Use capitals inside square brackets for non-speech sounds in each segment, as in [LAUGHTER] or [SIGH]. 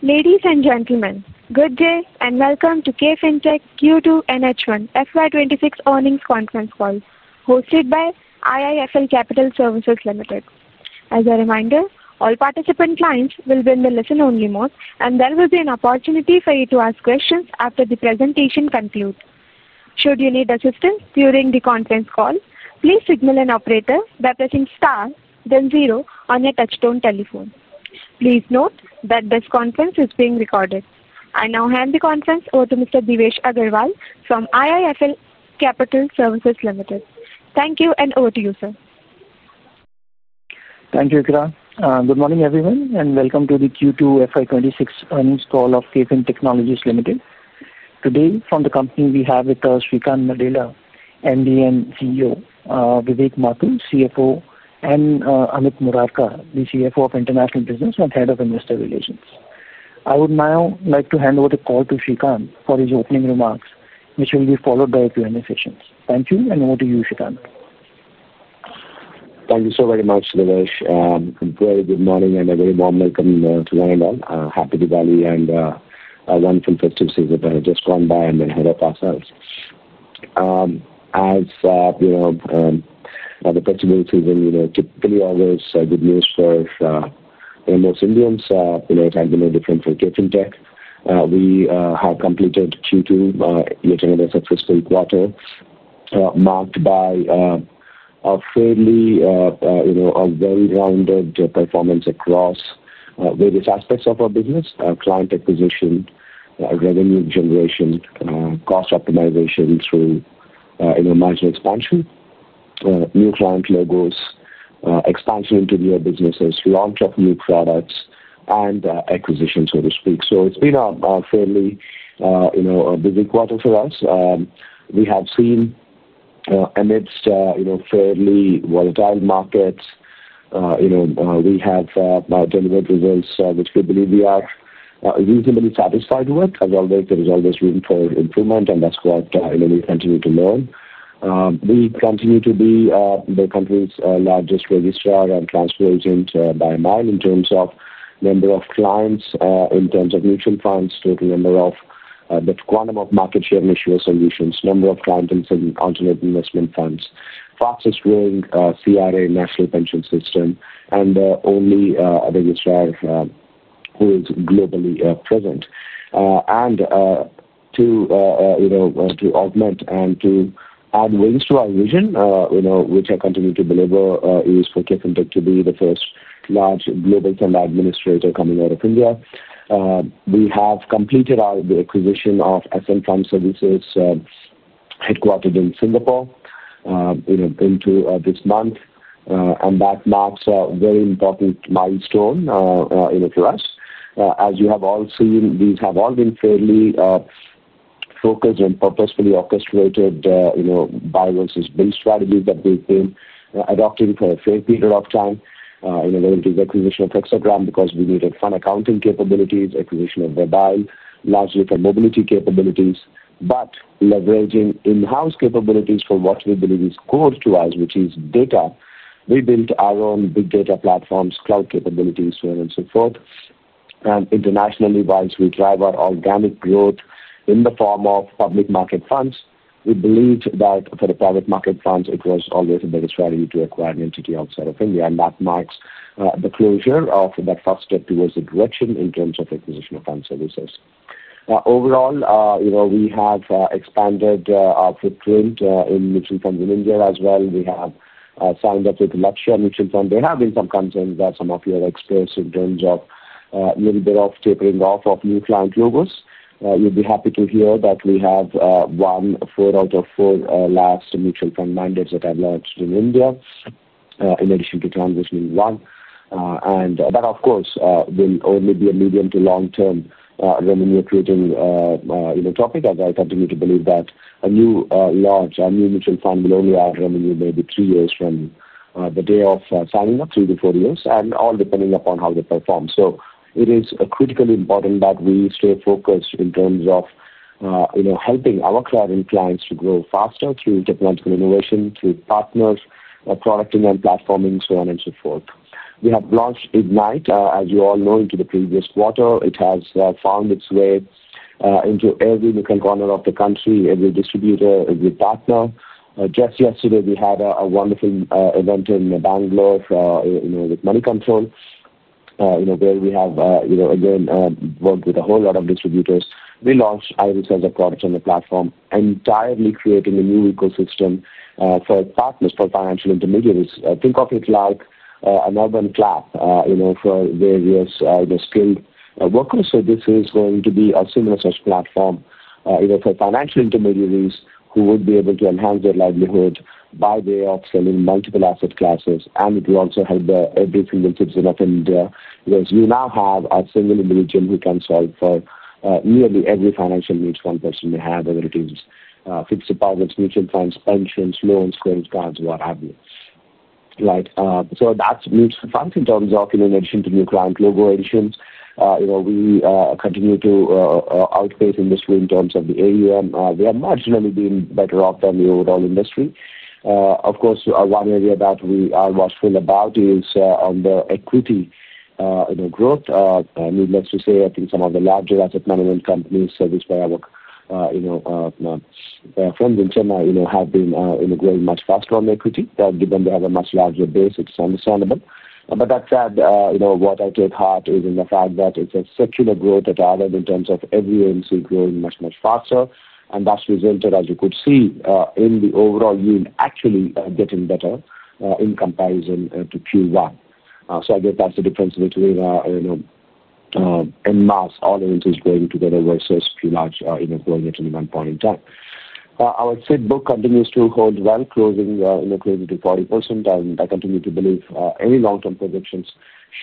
Ladies and gentlemen, good day and welcome to KFin Tech Q2 and H1 FY 2026 earnings conference call hosted by IIFL Capital Services Limited. As a reminder, all participant clients will be in the listen-only mode, and there will be an opportunity for you to ask questions after the presentation concludes. Should you need assistance during the conference call, please signal an operator by pressing star, then zero on your touchtone telephone. Please note that this conference is being recorded. I now hand the conference over to Mr. Devesh Agarwal from IIFL Capital Services Limited. Thank you and over to you, sir. Thank you, Vikram. Good morning, everyone, and welcome to the Q2 FY 2026 earnings call of KFin Technologies Limited. Today, from the company, we have with us Sreekanth Nadella, MD and CEO, Vivek Mathur, CFO, and Amit Murarka, the CFO of International Business and Head of Investor Relations. I would now like to hand over the call to Sreekanth for his opening remarks, which will be followed by a Q&A session. Thank you and over to you, Sreekanth. Thank you so very much, Devesh. Very good morning and a very warm welcome to the [NLL]. Happy Diwali and a wonderful festive season that has just gone by, and then hurrah for ourselves. As you know, the festival season typically always good news for most Indians. It has been no different for KFin Tech. We have completed Q2, looking at the fiscal quarter, marked by a fairly well-rounded performance across various aspects of our business: client acquisition, revenue generation, cost optimization through margin expansion, new client logos, expansion into new businesses, launch of new products, and acquisitions, so to speak. It's been a fairly busy quarter for us. We have seen, amidst fairly volatile markets, we have delivered results which we believe we are reasonably satisfied with. As always, there is always room for improvement, and that's what we continue to learn. We continue to be the country's largest registrar and transfer agent by a mile in terms of number of clients, in terms of mutual funds, total number of the quantum of market share in issuer solutions, number of clients in alternate investment funds, fastest growing CRA national pension system, and the only registrar who is globally present. To augment and to add wings to our vision, which I continue to believe is for KFin Tech to be the first large global fund administrator coming out of India. We have completed the acquisition of Ascent Fund Services, headquartered in Singapore, into this month, and that marks a very important milestone for us. As you have all seen, these have all been fairly focused and purposefully orchestrated buy versus build strategies that we've been adopting for a fair period of time, whether it is acquisition of Hexagram because we needed fund accounting capabilities, acquisition of Webile, largely for mobility capabilities, but leveraging in-house capabilities for what we believe is core to us, which is data. We built our own big data platforms, cloud capabilities, so on and so forth. Internationally, whilst we drive our organic growth in the form of public market funds, we believed that for the private market funds, it was always a better strategy to acquire an entity outside of India. That marks the closure of that first step towards the direction in terms of acquisition of fund services. Overall, you know, we have expanded our footprint in mutual funds in India as well. We have signed up with Lakshya Mutual Fund. There have been some concerns that some of your experts, in terms of a little bit of tapering off of new client logos, you'd be happy to hear that we have won four out of four last mutual fund mandates that have launched in India, in addition to transitioning one. That, of course, will only be a medium to long-term revenue accreting topic, as I continue to believe that a new launch or a new mutual fund will only add revenue maybe three years from the day of signing up, three to four years, all depending upon how they perform. It is critically important that we stay focused in terms of helping our current clients to grow faster through technological innovation, through partners, producting and platforming, and so on and so forth. We have launched Ignite, as you all know, into the previous quarter. It has found its way into every little corner of the country, every distributor, every partner. Just yesterday, we had a wonderful event in Bangalore with Moneycontrol, where we have again worked with a whole lot of distributors. We launched IRIS as a product and a platform, entirely creating a new ecosystem for partners, for financial intermediaries. Think of it like an urban club for various skilled workers. This is going to be a seamless platform for financial intermediaries who would be able to enhance their livelihood by way of selling multiple asset classes. It will also help every single citizen of India, as you now have a single individual who can solve for nearly every financial need one person may have, whether it is fixed deposits, mutual funds, pensions, loans, credit cards, what have you. Right? That's mutual funds in terms of, in addition to new client logo additions, we continue to outpace industry in terms of the AUM. We are marginally being better off than the overall industry. Of course, one area that we are watchful about is on the equity growth. Needless to say, I think some of the larger asset management companies serviced by our friends in Chennai have been growing much faster on the equity. Given they have a much larger base, it's understandable. That said, what I take heart in is the fact that it's a circular growth at R&D in terms of every AMC growing much, much faster. That's resulted, as you could see, in the overall yield actually getting better in comparison to Q1. I guess that's the difference between en masse all agencies going together versus pretty much going at any one point in time. I would say the book continues to hold well, closing to 40%. I continue to believe any long-term projections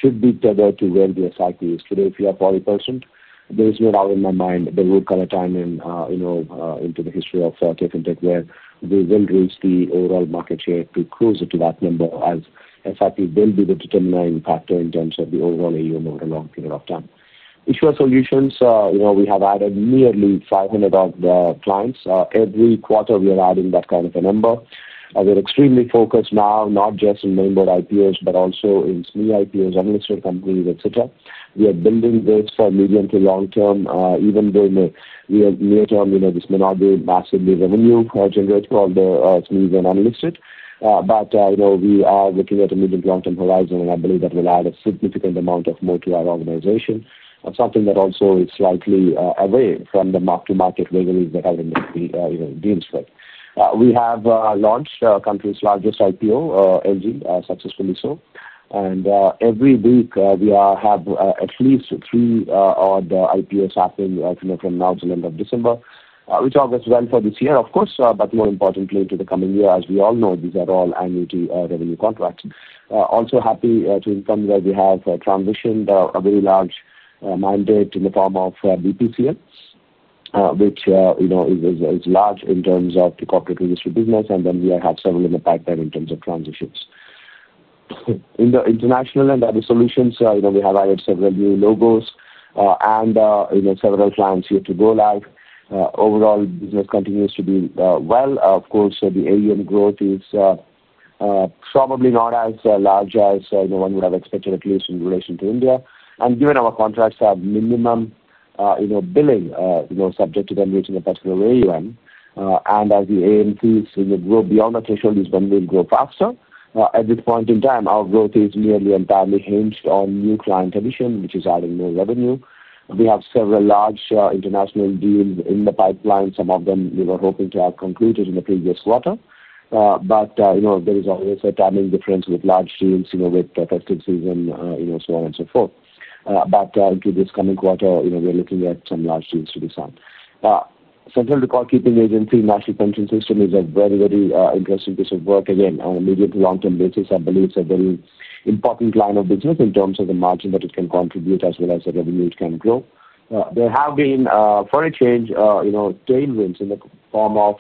should be tailored to where the SIP is today. If we are 40%, there is no doubt in my mind there will come a time in the history of KFin Tech where we will reach the overall market share to close to that number, as SIP will be the determining factor in terms of the overall AUM over a long period of time. Issuer solutions, we have added nearly 500 clients. Every quarter, we are adding that kind of a number. We're extremely focused now, not just in member IPOs, but also in SME IPOs, unlisted companies, etc. We are building this for medium to long term, even though near term, this may not be massively revenue generating for all the SMEs and unlisted. We are looking at a medium to long-term horizon, and I believe that will add a significant amount more to our organization, something that also is slightly away from the mark-to-market revenues that our industry deals with. We have launched the country's largest IPO, LG, successfully. Every week, we have at least three odd IPOs happening from now till the end of December, which all goes well for this year, of course, but more importantly into the coming year. As we all know, these are all annuity revenue contracts. Also happy to confirm that we have transitioned a very large mandate in the form of BPCM, which is large in terms of the corporate registry business. We have several in the pipeline in terms of transitions. In the international and other solutions, we have added several new logos and several clients here to go live. Overall, business continues to do well. Of course, the AUM growth is probably not as large as one would have expected, at least in relation to India. Given our contracts have minimum billing, subject to the NVH in the particular way you end, as the AMCs grow beyond the threshold is when we'll grow faster. At this point in time, our growth is nearly entirely hinged on new client addition, which is adding more revenue. We have several large international deals in the pipeline. Some of them, we were hoping to have concluded in the previous quarter. There is always a timing difference with large teams, with the testing season, so on and so forth. Into this coming quarter, we are looking at some large deals to be signed. Central record keeping agency, national pension system is a very, very interesting piece of work. Again, on a medium to long-term basis, I believe it's a very important line of business in terms of the margin that it can contribute, as well as the revenue it can grow. There have been, for a change, tailwinds in the form of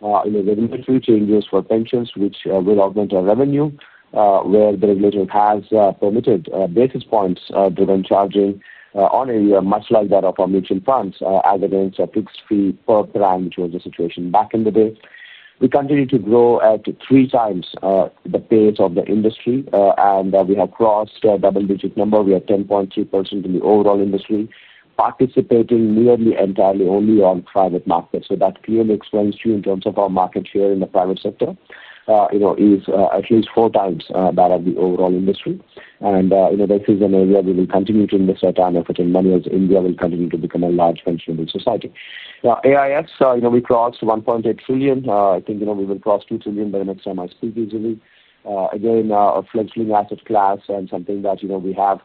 regulatory changes for pensions, which will augment our revenue, where the regulator has permitted basis points-driven charging much like that of our mutual fund services as against a fixed fee per plan, which was the situation back in the day. We continue to grow at 3x the pace of the industry, and we have crossed a double-digit number. We are 10.3% in the overall industry, participating nearly entirely only on private markets. That clearly explains to you in terms of our market share in the private sector, is at least 4x that of the overall industry. This is an area we will continue to invest our time, effort, and money as India will continue to become a large pensionable society. Now, AIF, we crossed 1.8 trillion. I think we will cross 2 trillion by the next time I speak easily. Again, a fledgling asset class and something that we have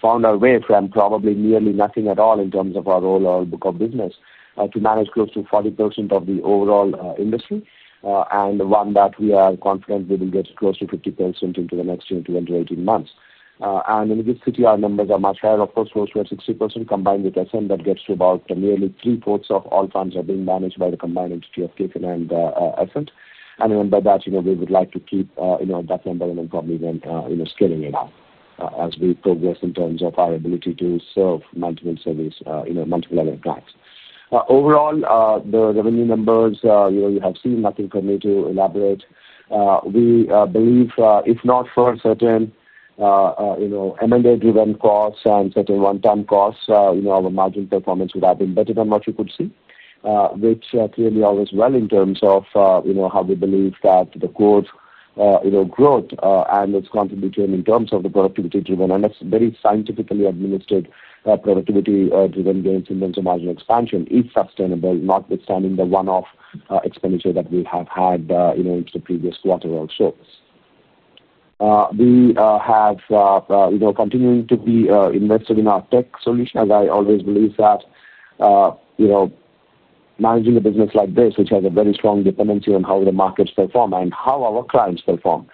found our way from probably nearly nothing at all in terms of our overall book of business to manage close to 40% of the overall industry. We are confident we will get close to 50% into the next year and 18 months. In this city, our numbers are much higher. Of course, close to 60% combined with Ascent, that gets to about nearly 3/4 of all funds being managed by the combined entity of KFin and Ascent. By that, we would like to keep that number and then probably even scaling it up as we progress in terms of our ability to serve multiple service, multiple other clients. Overall, the revenue numbers, you have seen nothing for me to elaborate. We believe, if not for certain M&A-driven costs and certain one-time costs, our margin performance would have been better than what you could see, which clearly augurs well in terms of how we believe that the core growth and its contribution in terms of the productivity-driven and it's very scientifically administered productivity-driven gains in terms of margin expansion is sustainable, notwithstanding the one-off expenditure that we have had into the previous quarter also. We have continued to be invested in our tech solution, as I always believe that managing a business like this, which has a very strong dependency on how the markets perform and how our clients perform,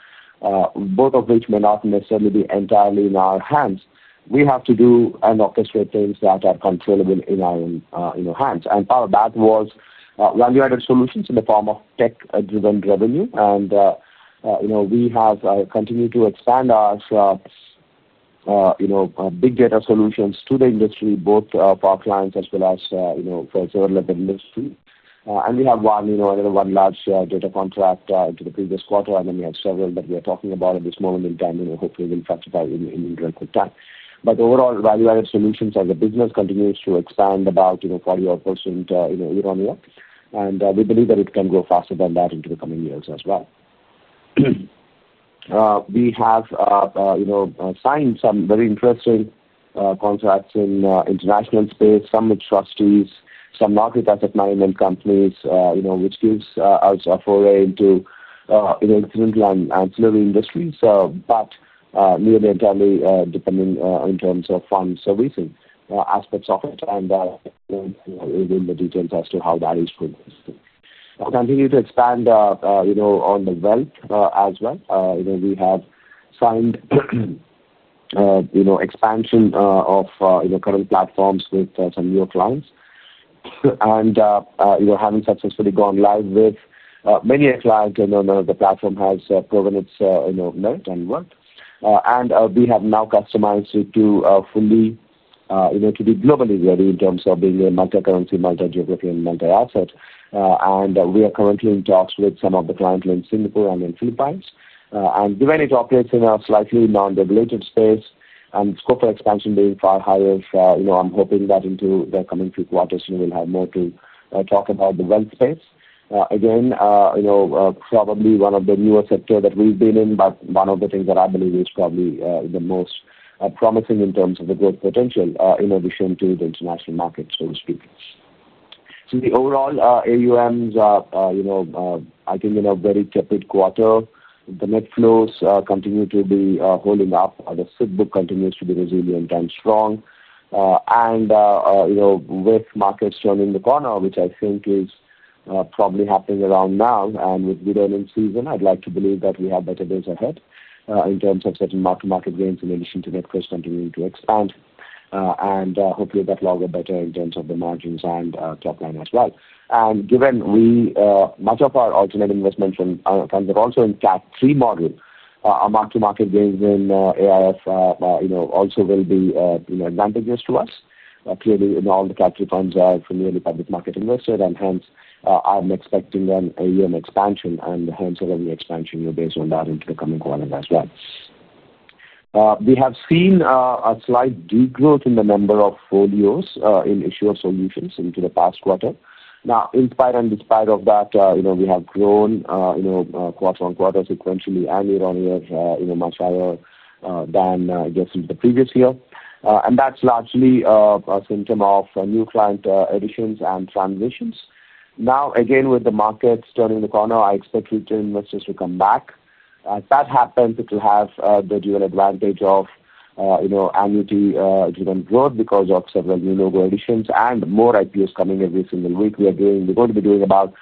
both of which may not necessarily be entirely in our hands, we have to do and orchestrate things that are controllable in our own hands. Part of that was value-added solutions in the form of tech-driven revenue. We have continued to expand our big data solutions to the industry, both for our clients as well as for several of the listed too. We have won another one large data contract into the previous quarter, and we have several that we are talking about at this moment in time, hopefully we'll classify in real quick time. Overall, value-added solutions as a business continues to expand about 40% year-on-year. We believe that it can grow faster than that into the coming years as well. We have signed some very interesting contracts in the international space, some with trustees, some [not with asset management] companies, which gives us a foray into incidental and ancillary industries, but nearly entirely depending in terms of fund servicing aspects of it [AUDIO DISTORTION] within the details as to how that is fully. We continue to expand on the wealth as well. We have signed expansion of current platforms with some newer clients. Having successfully gone live with many a client and the platform has proven its merit and work. We have now customized it to fully be globally ready in terms of being multicurrency, multi-geography, and multi-asset. We are currently in talks with some of the clients in Singapore and in the Philippines. Given it operates in a slightly non-regulated space and scope of expansion being far higher, I'm hoping that into the coming few quarters, we'll have more to talk about the wealth space. Probably one of the newer sectors that we've been in, but one of the things that I believe is probably the most promising in terms of the growth potential in addition to the international markets, so to speak. The overall AUMs, I think in a very tepid quarter, the net flows continue to be holding up. The SIP book continues to be resilient and strong. With markets turning the corner, which I think is probably happening around now, and with good earnings season, I'd like to believe that we have better days ahead in terms of certain mark-to-market gains in addition to net flows continuing to expand. Hopefully, that log will be better in terms of the margins and top line as well. Given much of our alternate investments are also in CAC 3 model, our mark-to-market gains in AIF also will be advantageous to us. Clearly, all the CAC 3 funds are primarily public market invested, and hence, I'm expecting an AUM expansion and hence a revenue expansion based on that into the coming quarter as well. We have seen a slight degrowth in the number of folios in issuer solutions into the past quarter. In spite and despite of that, we have grown quarter-on-quarter sequentially and year-on-year, much higher than, I guess, in the previous year. That's largely a symptom of new client additions and transitions. With the markets turning the corner, I expect future investors to come back. If that happens, it will have the dual advantage of annuity-driven growth because of several new logo additions and more IPOs coming every single week. We are going to be doing about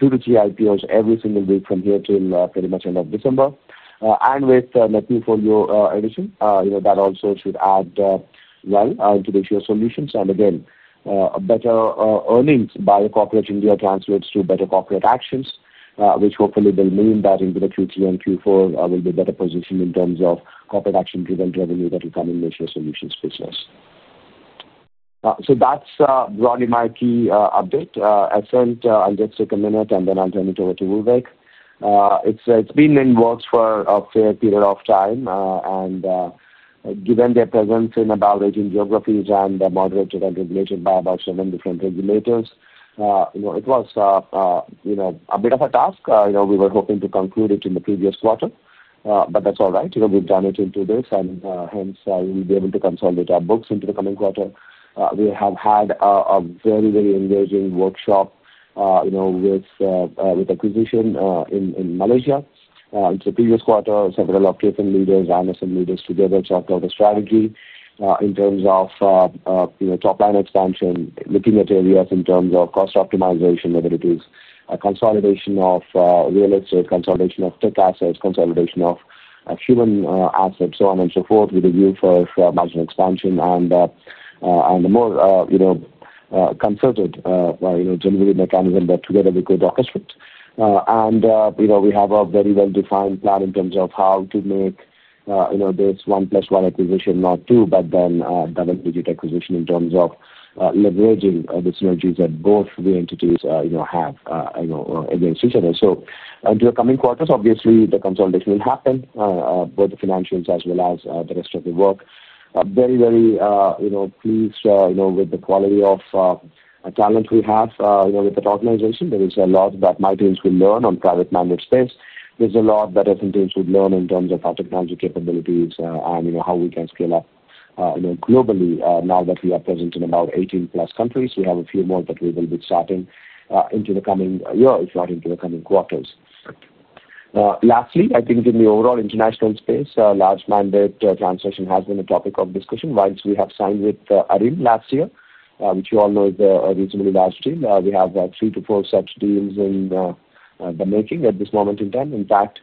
two to three IPOs every single week from here till pretty much end of December. With the net new folio addition, that also should add well into the issuer solutions. A better earnings by the corporate India translates to better corporate actions, which hopefully will mean that into Q3 and Q4 we will be better positioned in terms of corporate action-driven revenue that will come in the issuer solutions business. That's broadly my key update. I think I'll just take a minute and then I'll turn it over to Vivek. It's been in works for a fair period of time. Given their presence in above-aging geographies and moderated and regulated by about seven different regulators, it was a bit of a task. We were hoping to conclude it in the previous quarter, but that's all right. We've done it in two days, and hence, we'll be able to consolidate our books into the coming quarter. We have had a very, very engaging workshop with the acquisition in Malaysia. In the previous quarter, several of KFin and Ascent leaders together talked over strategy in terms of top line expansion, looking at areas in terms of cost optimization, whether it is a consolidation of real estate, consolidation of tech assets, consolidation of human assets, and so on and so forth, with a view for margin expansion and a more concerted delivery mechanism that together we could orchestrate. We have a very well-defined plan in terms of how to make this 1 + 1 acquisition not two, but then double-digit acquisition in terms of leveraging the synergies that both re-entities have against each other. Into the coming quarters, obviously, the consolidation will happen, both the financials as well as the rest of the work. Very, very pleased with the quality of talent we have with the organization. There is a lot that my teams will learn on private mandate space. There's a lot that Ascent teams would learn in terms of our technology capabilities and how we can scale up globally now that we are present in about 18+ countries. We have a few more that we will be starting into the coming year, if not into the coming quarters. Lastly, I think in the overall international space, large mandate transaction has been a topic of discussion once we have signed with Arin last year, which you all know is a reasonably large deal. We have three to four such deals in the making at this moment in time. In fact,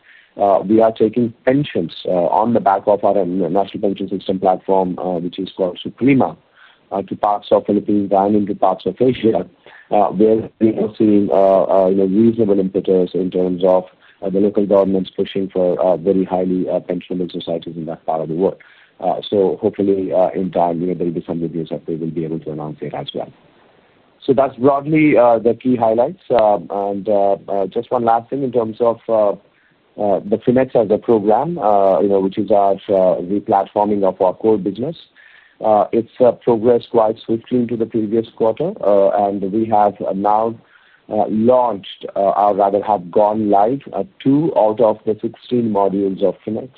we are taking pensions on the back of our national pension system platform, which is called [SUPLIMA], to parts of Philippines and into parts of Asia, where we have seen reasonable impetus in terms of the local governments pushing for very highly pensionable societies in that part of the world. Hopefully, in time, there will be some reviews that they will be able to announce it as well. That's broadly the key highlights. Just one last thing in terms of the FINETS as a program, which is our replatforming of our core business. It's progressed quite swiftly into the previous quarter, and we have now launched, or rather have gone live with two out of the 16 modules of FINETS,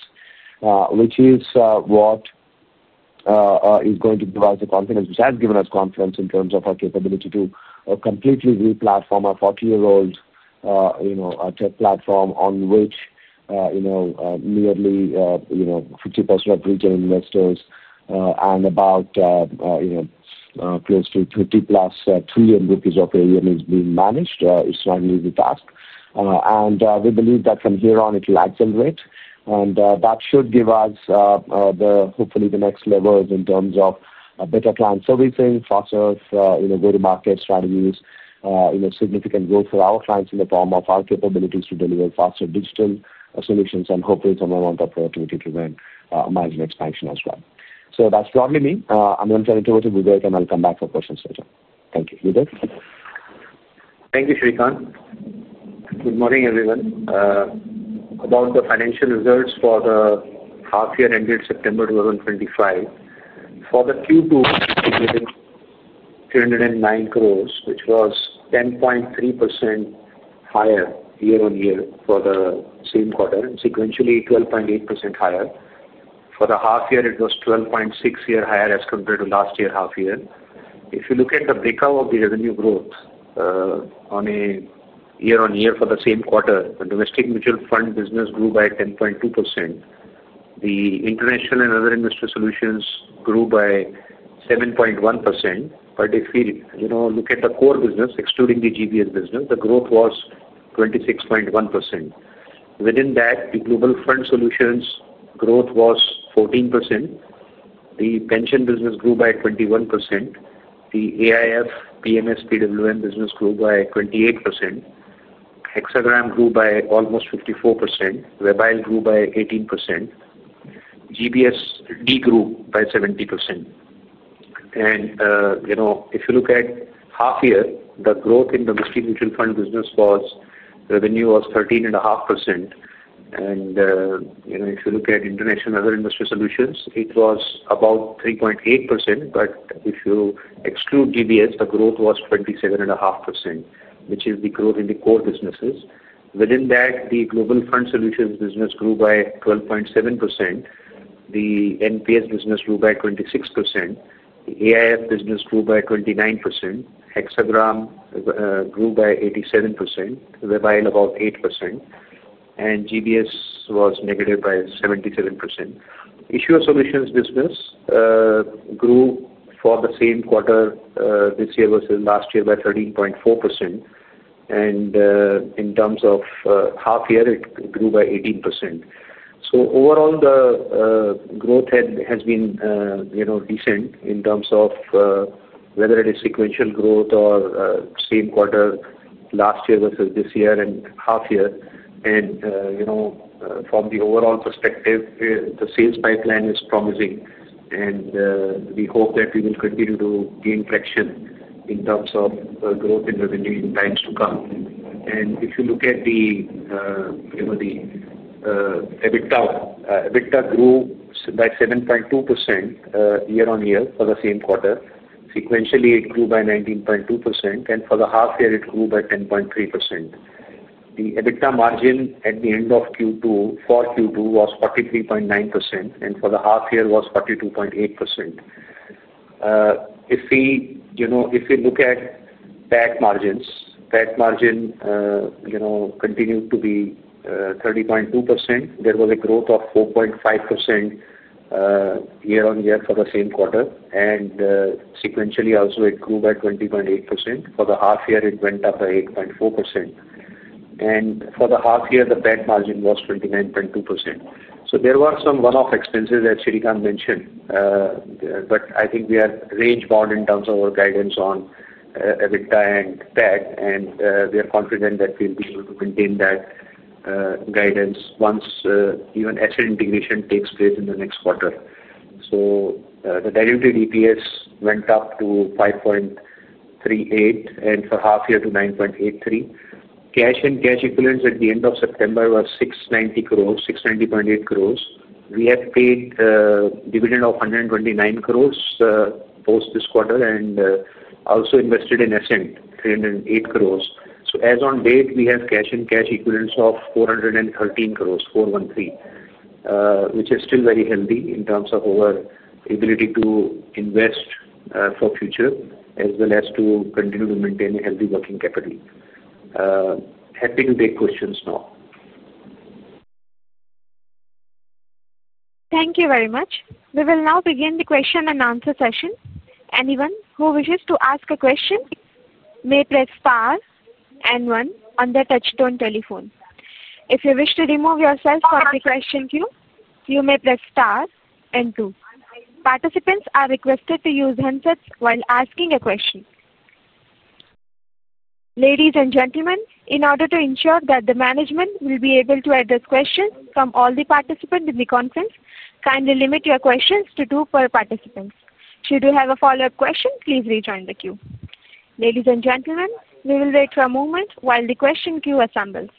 which is what is going to provide us the confidence, which has given us confidence in terms of our capability to completely replatform our 40-year-old tech platform on which nearly 50% of regional investors and about close to [30+ trillion rupees of AUM] is being managed. It's not an easy task. We believe that from here on, it will accelerate. That should give us, hopefully, the next levers in terms of better client servicing, faster go-to-market strategies, significant growth for our clients in the form of our capabilities to deliver faster digital solutions, and hopefully some amount of productivity-driven margin expansion as well. That's for me. I'm going to turn it over to Vivek, and I'll come back for questions later. Thank you. Vivek? Thank you, Sreekanth. Good morning, everyone. About the financial results for the half year ended September 2025. For Q2, we did 309 crore, which was 10.3% higher year-on-year for the same quarter, and sequentially 12.8% higher. For the half year, it was 12.6% higher as compared to last year half year. If you look at the breakdown of the revenue growth, on a year-on-year for the same quarter, the domestic mutual fund business grew by 10.2%. The international and other investor solutions grew by 7.1%. If we look at the core business, excluding the GBS business, the growth was 26.1%. Within that, the global fund solutions growth was 14%. The pension business grew by 21%. The AIF, PMS, PWM business grew by 28%. Hexagram grew by almost 54%. Webile grew by 18%. GBS de-grew by 70%. If you look at half year, the growth in domestic mutual fund business revenue was 13.5%. If you look at international and other investor solutions, it was about 3.8%. If you exclude GBS, the growth was 27.5%, which is the growth in the core businesses. Within that, the global fund solutions business grew by 12.7%. The NPS business grew by 26%. The AIF business grew by 29%. Hexagram grew by 87%. Webile about 8%. GBS was negative by 77%. Issuer solutions business grew for the same quarter, this year versus last year by 13.4%. In terms of half year, it grew by 18%. Overall, the growth has been decent in terms of whether it is sequential growth or same quarter last year versus this year and half year. From the overall perspective, the sales pipeline is promising. We hope that we will continue to gain traction in terms of growth in revenue in times to come. If you look at the EBITDA, EBITDA grew by 7.2% year-on-year for the same quarter. Sequentially, it grew by 19.2%. For the half year, it grew by 10.3%. The EBITDA margin at the end of Q2, for Q2, was 43.9%. For the half year, it was 42.8%. If we look at PAT margins, PAT margin continued to be 30.2%. There was a growth of 4.5% year-on-year for the same quarter. Sequentially, also, it grew by 20.8%. For the half year, it went up by 8.4%. For the half year, the PAT margin was 29.2%. There were some one-off expenses that Sreekanth mentioned. I think we are range-bound in terms of our guidance on EBITDA and PAT. We are confident that we'll be able to maintain that guidance once even asset integration takes place in the next quarter. The diluted EPS went up to 5.38 and for half year to 9.83. Cash and cash equivalents at the end of September were 690.68 crore. We have paid a dividend of 129 crore post this quarter and also Ascent, 308 crore. As on date, we have cash and cash equivalents of 413 crore, which is still very healthy in terms of our ability to invest for future as well as to continue to maintain a healthy working capital. Happy to take questions now. Thank you very much. We will now begin the question and answer session. Anyone who wishes to ask a question may press star and one on the touchstone telephone. If you wish to remove yourself from the question queue, you may press star and two. Participants are requested to use handsets while asking a question. Ladies and gentlemen, in order to ensure that the management will be able to address questions from all the participants in the conference, kindly limit your questions to two per participant. Should you have a follow-up question, please rejoin the queue. Ladies and gentlemen, we will wait for a moment while the question queue assembles.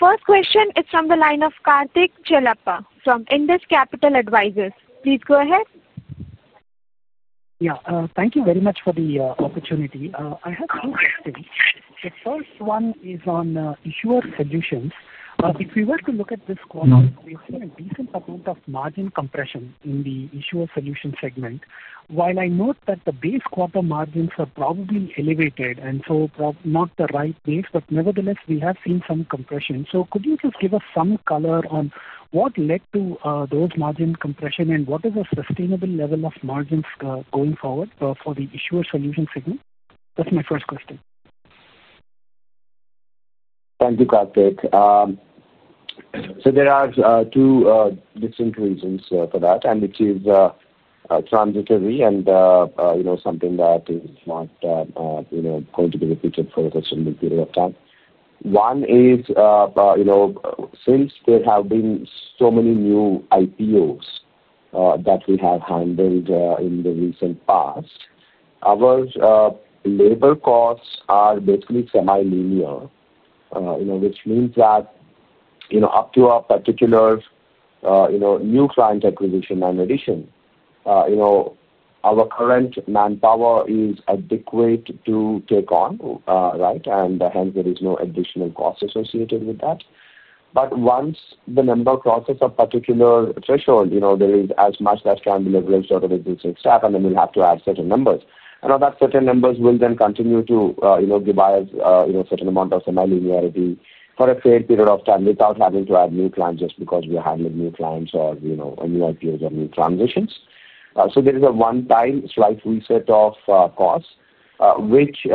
The first question is from the line of Karthik Chellappa from Indus Capital Advisors. Please go ahead. Thank you very much for the opportunity. I have two questions. The first one is on issuer solutions. If we were to look at this quarter, we've seen a decent amount of margin compression in the issuer solution segment. While I note that the base quarter margins are probably elevated and not the right base, nevertheless, we have seen some compression. Could you just give us some color on what led to those margin compression and what is a sustainable level of margins going forward for the issuer solution segment? That's my first question. Thank you, Karthik. There are two distinct reasons for that, and it is transitory and something that is not going to be repeated for a questionable period of time. One is, since there have been so many new IPOs that we have handled in the recent past, our labor costs are basically semi-linear, which means that up to a particular new client acquisition and addition, our current manpower is adequate to take on, right? Hence, there is no additional cost associated with that. Once the number crosses a particular threshold, there is as much that can be leveraged out of existing staff, and then we'll have to add certain numbers. All that certain numbers will then continue to give us a certain amount of semi-linearity for a fair period of time without having to add new clients just because we are handling new clients or new IPOs or new transitions. There is a one-time slight reset of costs, which,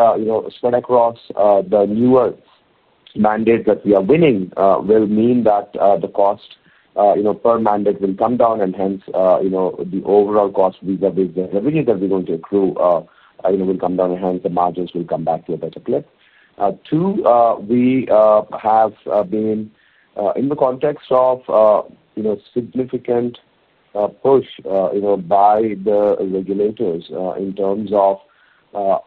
spread across the newer mandates that we are winning, will mean that the cost per mandate will come down. Hence, the overall cost vis-à-vis the revenue that we're going to accrue will come down. Hence, the margins will come back to a better place. Two, we have been in the context of significant push by the regulators in terms of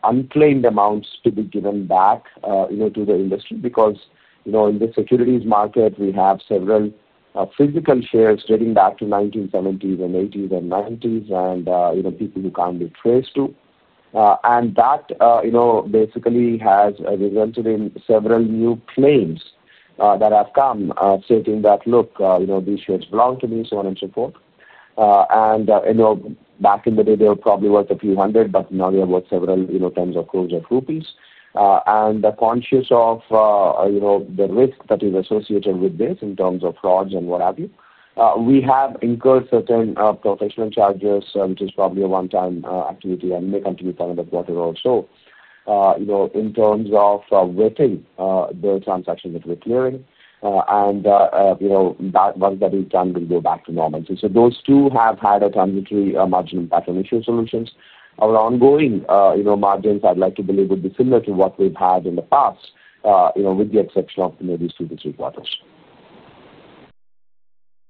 unclaimed amounts to be given back to the industry because in the securities market, we have several physical shares dating back to the 1970s and 1980s and 1990s and people who can't be traced to. That basically has resulted in several new claims that have come stating that, "Look, these shares belong to me," so on and so forth. Back in the day, they were probably worth a few hundred, but now they are worth several tens of crores of rupees. Conscious of the risk that is associated with this in terms of frauds and what have you, we have incurred certain professional charges, which is probably a one-time activity and may continue coming up quarter or so in terms of vetting the transaction that we're clearing. Once that is done, we'll go back to normalcy. Those two have had a transitory margin impact on issuer solutions. Our ongoing margins, I'd like to believe, would be similar to what we've had in the past, with the exception of maybe two to three quarters.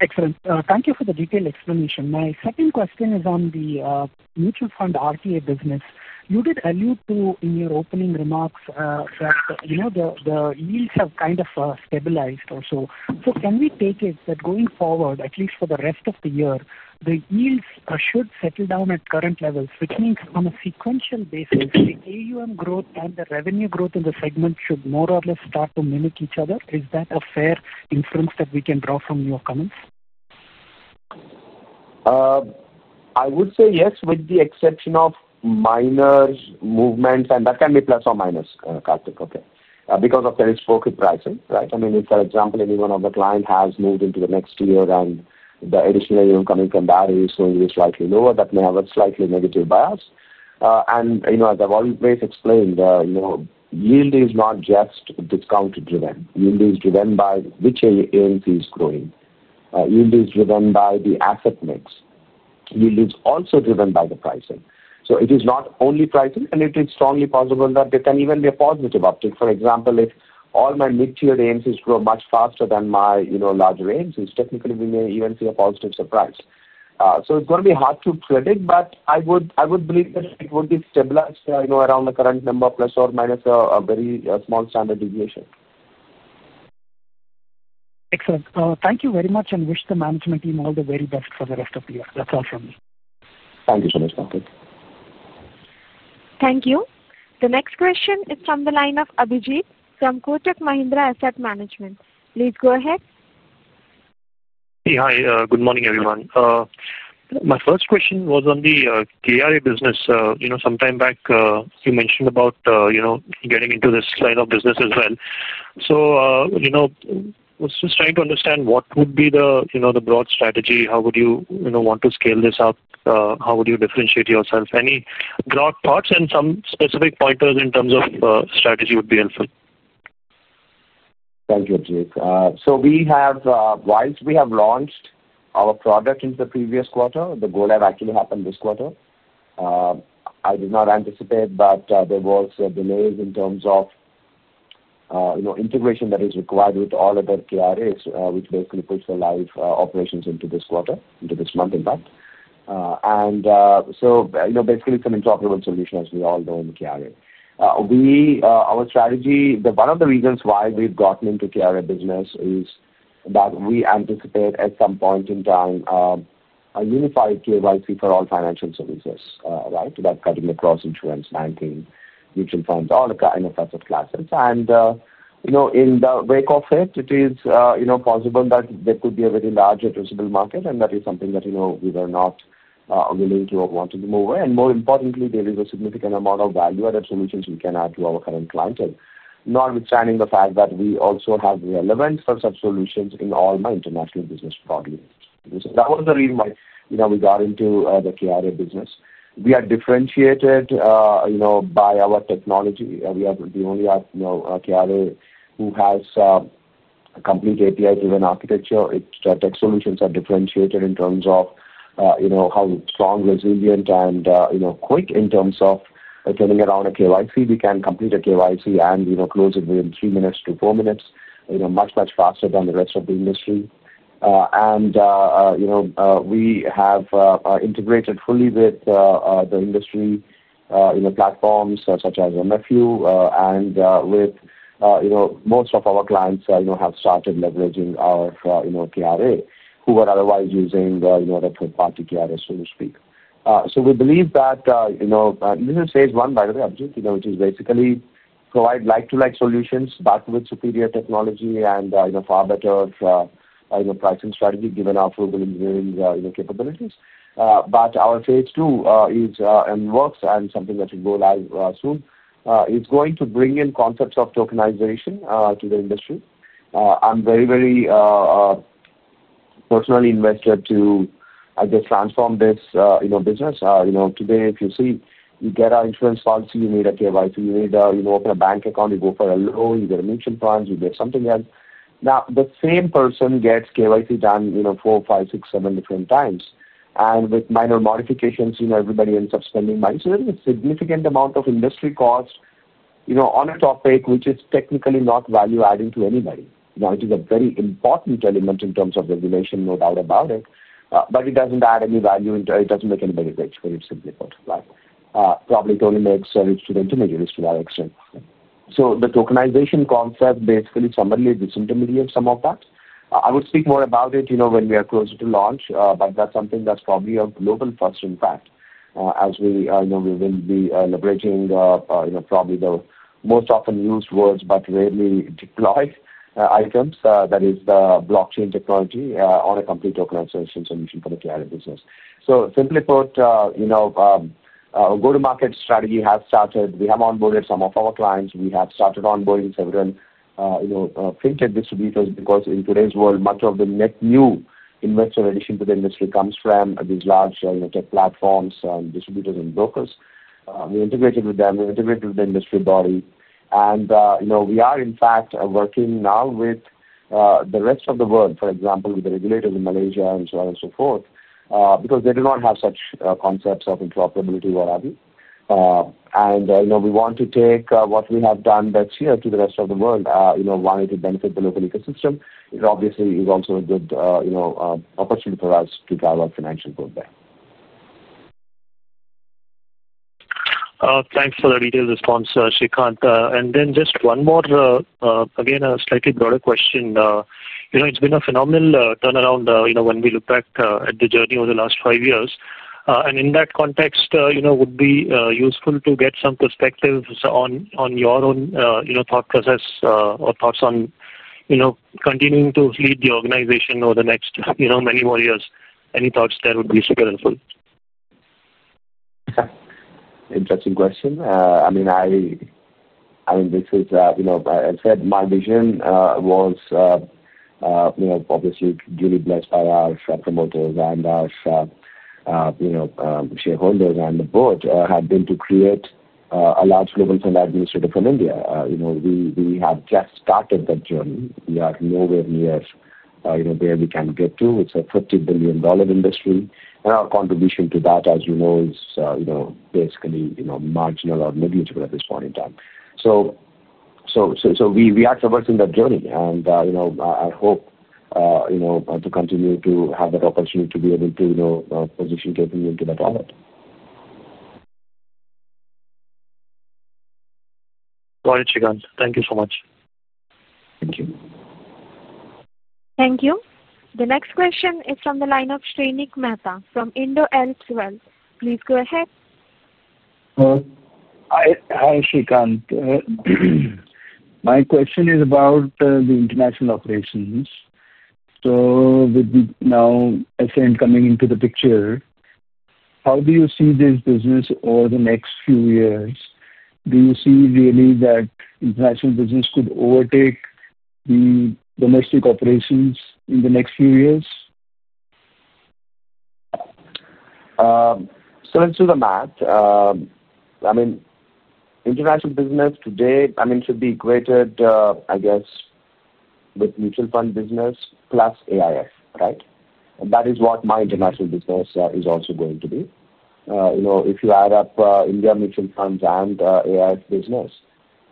Excellent. Thank you for the detailed explanation. My second question is on the mutual fund RTA business. You did allude to in your opening remarks that the yields have kind of stabilized or so. Can we take it that going forward, at least for the rest of the year, the yields should settle down at current levels, which means on a sequential basis, the AUM growth and the revenue growth in the segment should more or less start to mimic each other? Is that a fair inference that we can draw from your comments? I would say yes, with the exception of minor movements, and that can be plus or minus, Karthik, because of the hypocrite pricing, right? I mean, if, for example, any one of the clients has moved into the next year and the additional incoming Kendari is going to be slightly lower, that may have a slightly negative bias. As I've always explained, yield is not just discount-driven. Yield is driven by which AMC is growing. Yield is driven by the asset mix. Yield is also driven by the pricing. It is not only pricing, and it is strongly possible that there can even be a positive uptake. For example, if all my mid-tier AMCs grow much faster than my larger AMCs, technically, we may even see a positive surprise. It's going to be hard to predict, but I would believe that it would be stabilized around the current number plus or minus a very small standard deviation. Excellent. Thank you very much, and wish the management team all the very best for the rest of the year. That's all from me. Thank you so much, Karthik. Thank you. The next question is from the line of Abhijit from Kotak Mahindra Asset Management. Please go ahead. Hey, hi. Good morning, everyone. My first question was on the KRA services business. Some time back, you mentioned about getting into this line of business as well. I was just trying to understand what would be the broad strategy, how would you want to scale this up, how would you differentiate yourself? Any broad thoughts and some specific pointers in terms of strategy would be helpful. Thank you, Abhijit. Whilst we have launched our product into the previous quarter, the go-live actually happened this quarter. I did not anticipate, but there were delays in terms of integration that is required with all other KRA services, which basically puts the live operations into this quarter, into this month, in fact. Basically, it's an interoperable solution, as we all know, in the KRA. Our strategy, one of the reasons why we've gotten into the KRA business is that we anticipate at some point in time a unified KYC for all financial services, right? That's cutting across insurance, banking, mutual funds, all the kind of asset classes. In the wake of it, it is possible that there could be a very large addressable market, and that is something that we were not willing to or wanted to move away. More importantly, there is a significant amount of value-added solutions we can add to our current clientele, notwithstanding the fact that we also have relevance for such solutions in all my international business broadly. That was the reason why we got into the KRA business. We are differentiated by our technology. We are the only KRA who has a complete API-driven architecture. Tech solutions are differentiated in terms of how strong, resilient, and quick in terms of turning around a KYC. We can complete a KYC and close it within three minutes to four minutes, much, much faster than the rest of the industry. We have integrated fully with the industry platforms such as MFU. Most of our clients have started leveraging our KRA, who were otherwise using the third-party KRA, so to speak. We believe that this is phase one, by the way, Abhijit, which is basically provide like-to-like solutions but with superior technology and far better pricing strategy given our frugal engineering capabilities. Our phase two is in works and something that will go live soon is going to bring in concepts of tokenization to the industry. I'm very, very personally invested to, I guess, transform this business. Today, if you see, you get our insurance policy, you need a KYC, you need to open a bank account, you go for a loan, you get a mutual fund, you get something else. Now, the same person gets KYC done, you know, four, five, six, seven different times. With minor modifications, everybody ends up spending money. There is a significant amount of industry cost on a topic which is technically not value-adding to anybody. It is a very important element in terms of regulation, no doubt about it. It doesn't add any value in, it doesn't make anybody rich, simply put. Probably totally makes rich to the intermediaries to that extent. The tokenization concept basically summarily disintermediates some of that. I would speak more about it when we are closer to launch, but that's something that's probably a global first, in fact, as we will be leveraging probably the most often used words but rarely deployed items, that is the blockchain technology on a complete tokenization solution for the KRA business. Simply put, a go-to-market strategy has started. We have onboarded some of our clients. We have started onboarding several fintech distributors because in today's world, much of the net new investor addition to the industry comes from these large tech platforms and distributors and brokers. We integrated with them. We integrated with the industry body. We are, in fact, working now with the rest of the world, for example, with the regulators in Malaysia and so on and so forth because they do not have such concepts of interoperability or what have you. We want to take what we have done that's here to the rest of the world, wanting to benefit the local ecosystem. It obviously is also a good opportunity for us to drive our financial growth there. Thanks for the detailed response, Sreekanth. Just one more, a slightly broader question. It's been a phenomenal turnaround when we look back at the journey over the last five years. In that context, it would be useful to get some perspectives on your own thought process or thoughts on continuing to lead the organization over the next many more years. Any thoughts there would be super helpful. Okay. Interesting question. This is, you know, as I said, my vision was, you know, obviously duly blessed by our share promoters and our shareholders and the board had been to create a large global fund administrator from India. We have just started that journey. We are nowhere near where we can get to. It's a $50 billion industry, and our contribution to that, as you know, is basically marginal or negligible at this point in time. We are traversing that journey, and I hope to continue to have that opportunity to be able to position taking you into that role. Got it, Sreekanth. Thank you so much. Thank you. Thank you. The next question is from the line of [Shrenik Mehta] from [India M2]. Please go ahead. Hi, Sreekanth. My question is about the international operations. With Ascent now coming into the picture, how do you see this business over the next few years? Do you see really that international business could overtake the domestic operations in the next few years? Let's do the math. International business today should be equated, I guess, with mutual fund business plus AIF, right? That is what my international business is also going to be. If you add up India mutual funds and AIF business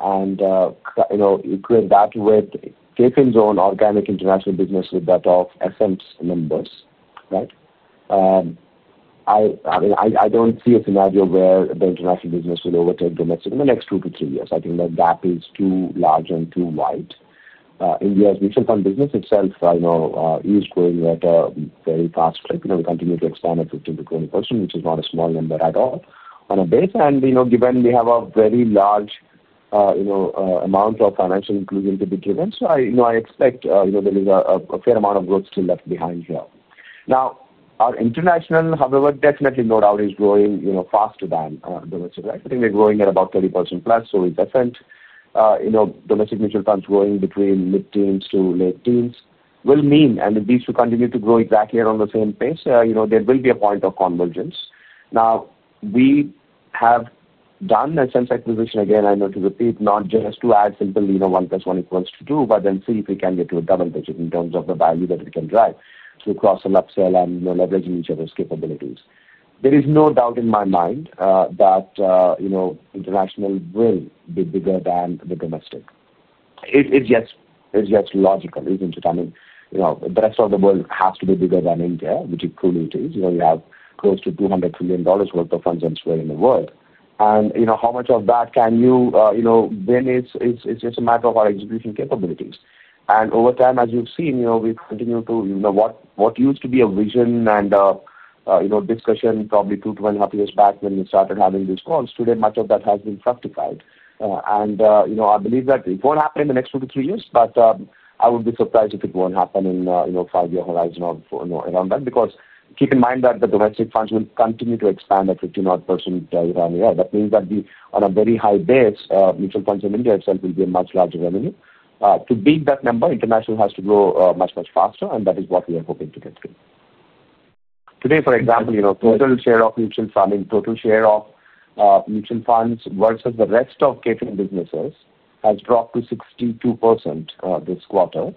and equate that with KFin Technologies' own organic international business with that of Ascent' members, I don't see a scenario where the international business will overtake domestic in the next two to three years. I think that gap is too large and too wide. India's mutual fund business itself is going at a very fast rate. We continue to expand at 15% to 20%, which is not a small number at all on a base. Given we have a very large amount of financial inclusion to be driven, I expect there is a fair amount of growth still left behind here. Our international, however, definitely no doubt is growing faster than domestic, right? I think we're growing at about 30% plus. Domestic mutual funds growing between mid-teens to late teens will mean, and if these two continue to grow exactly around the same pace, there will be a point of convergence. We have done a sense acquisition, again, not just to add simply one plus one equals two, but then see if we can get to a double digit in terms of the value that we can drive through cross-sell, upsell, and leveraging each other's capabilities. There is no doubt in my mind that international will be bigger than the domestic. It's just logical, isn't it? The rest of the world has to be bigger than India, which it truly is. You have close to $200 trillion worth of funds elsewhere in the world. How much of that can you win is just a matter of our execution capabilities. Over time, as you've seen, what used to be a vision and discussion probably two to one and a half years back when we started having these calls, today much of that has been fructified. I believe that it won't happen in the next two to three years, but I would be surprised if it won't happen in a five-year horizon or around that because keep in mind that the domestic funds will continue to expand at 15% year-on-year. That means that we, on a very high base, mutual funds in India itself will be a much larger revenue. To beat that number, international has to grow much, much faster, and that is what we are hoping to get to. Today, for example, you know, total share of mutual funds, I mean, total share of mutual funds versus the rest of KFin businesses has dropped to 62% this quarter.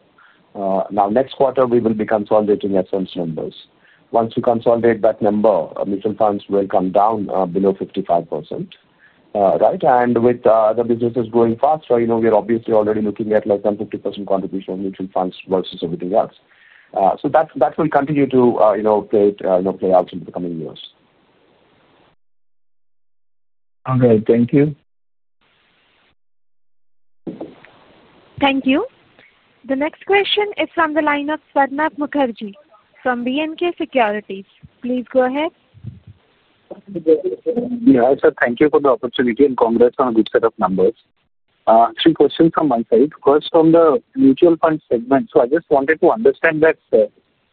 Next quarter, we will consolidate Ascent's numbers. Once we consolidate that number, mutual funds will come down below 55%, right? With other businesses growing faster, you know, we're obviously already looking at less than 50% contribution of mutual funds versus everything else. That will continue to, you know, play out over the coming years. All right, thank you. Thank you. The next question is from the line of Swarnabha Mukherjee from B&K Securities. Please go ahead. Yeah. I said thank you for the opportunity and congrats on a good set of numbers. Three questions from my side. First, on the mutual fund segment. I just wanted to understand that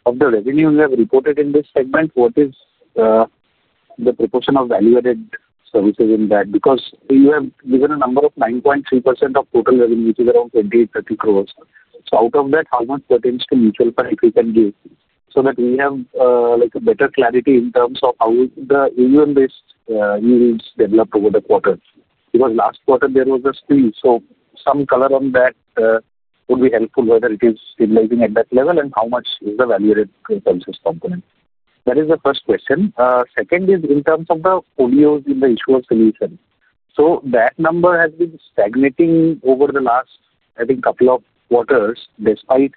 of the revenue you have reported in this segment, what is the proportion of value-added services in that? You have given a number of 9.3% of total revenue, which is around 20 to 30 crore. Out of that, how much pertains to mutual funds if you can give so that we have a better clarity in terms of how the AUM-based yields develop over the quarter? Last quarter, there was a squeeze. Some color on that would be helpful, whether it is stabilizing at that level and how much is the value-added services component. That is the first question. Second is in terms of the folios in the issuer solutions. That number has been stagnating over the last, I think, a couple of quarters despite,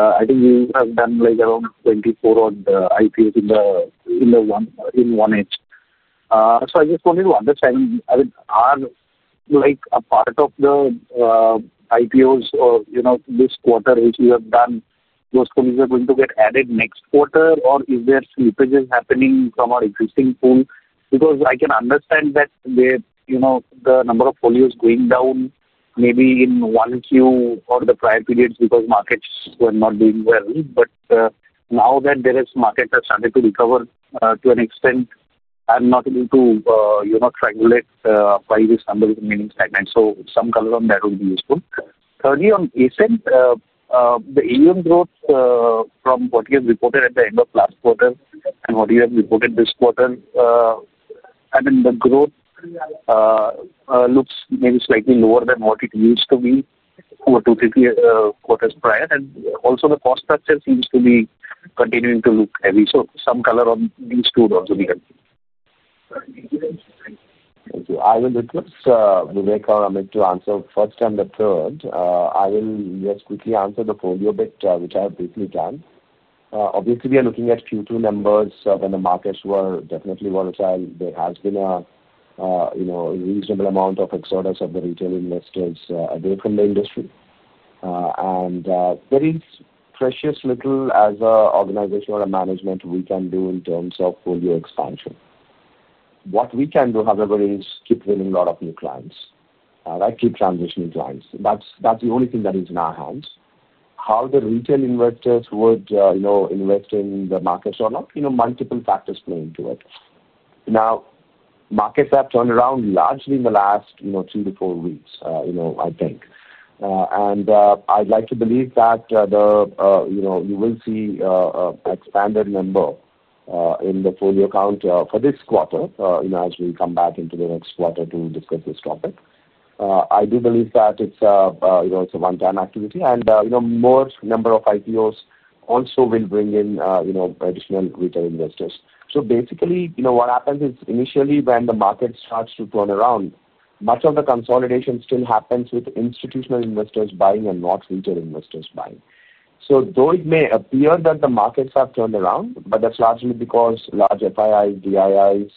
I think, you have done around 24 odd IPO mandates in 1H. I just wanted to understand, are a part of the IPOs or, you know, this quarter you have done, are those folios going to get added next quarter, or are there slippages happening from our existing pool? I can understand that the number of folios going down maybe in 1Q or the prior periods because markets were not doing well. Now that the market has started to recover to an extent, I'm not able to triangulate why this number is remaining stagnant. Some color on that would be useful. On Ascent, the AUM growth from what you have reported at the end of last quarter and what you have reported this quarter, the growth looks maybe slightly lower than what it used to be over two to three quarters prior. Also, the cost structure seems to be continuing to look heavy. Some color on these two would also be helpful. Thank you. I will request Vivek or Amit to answer first and the third. I will just quickly answer the folio bit, which I have briefly done. Obviously, we are looking at Q2 numbers when the markets were definitely volatile. There has been a reasonable amount of exodus of the retail investors away from the industry. There is precious little as an organization or a management we can do in terms of folio expansion. What we can do, however, is keep winning a lot of new clients, right? Keep transitioning clients. That's the only thing that is in our hands. How the retail investors would invest in the markets or not, multiple factors play into it. Now, markets have turned around largely in the last three to four weeks, I think. I'd like to believe that you will see an expanded number in the folio count for this quarter as we come back into the next quarter to discuss this topic. I do believe that it's a one-time activity. More number of IPOs also will bring in additional retail investors. Basically, what happens is initially when the market starts to turn around, much of the consolidation still happens with institutional investors buying and not retail investors buying. Though it may appear that the markets have turned around, that's largely because large FIIs, DIIs,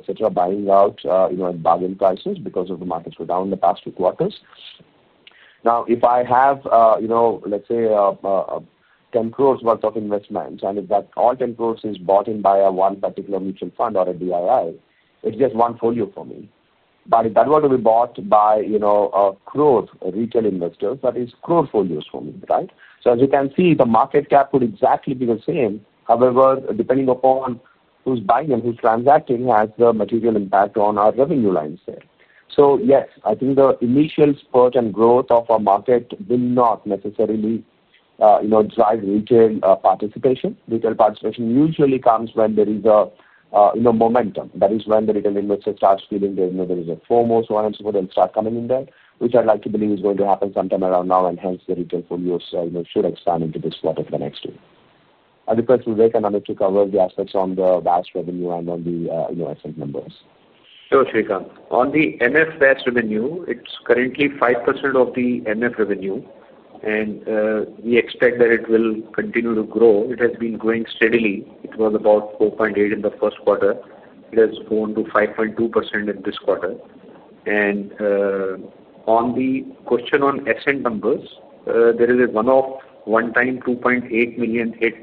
etc., buying out at bargain prices because the markets go down in the past two quarters. Now, if I have, let's say, 10 crore worth of investment, and if all 10 crore is bought in by one particular mutual fund or a DII, it's just one folio for me. If that were to be bought by a crore retail investors, that is a crore folios for me, right? As you can see, the market cap would exactly be the same. However, depending upon who's buying and who's transacting has the material impact on our revenue lines there. Yes, I think the initial spurt and growth of our market will not necessarily drive retail participation. Retail participation usually comes when there is momentum. That is when the retail investors start feeling that there is a FOMO, so on and so forth, they'll start coming in there, which I'd like to believe is going to happen sometime around now. Hence, the retail folios should expand into this quarter for the next year. I'll request Vivek and Amit to cover the aspects on the VAS revenue and on the Ascent numbers. Sreekanth, on the NF VAS revenue, it's currently 5% of the NF revenue. We expect that it will continue to grow. It has been growing steadily. It was about 4.8% in the first quarter. It has grown to 5.2% in this quarter. On the question on Ascent numbers, there is a one-off, one-time $2.8 million hit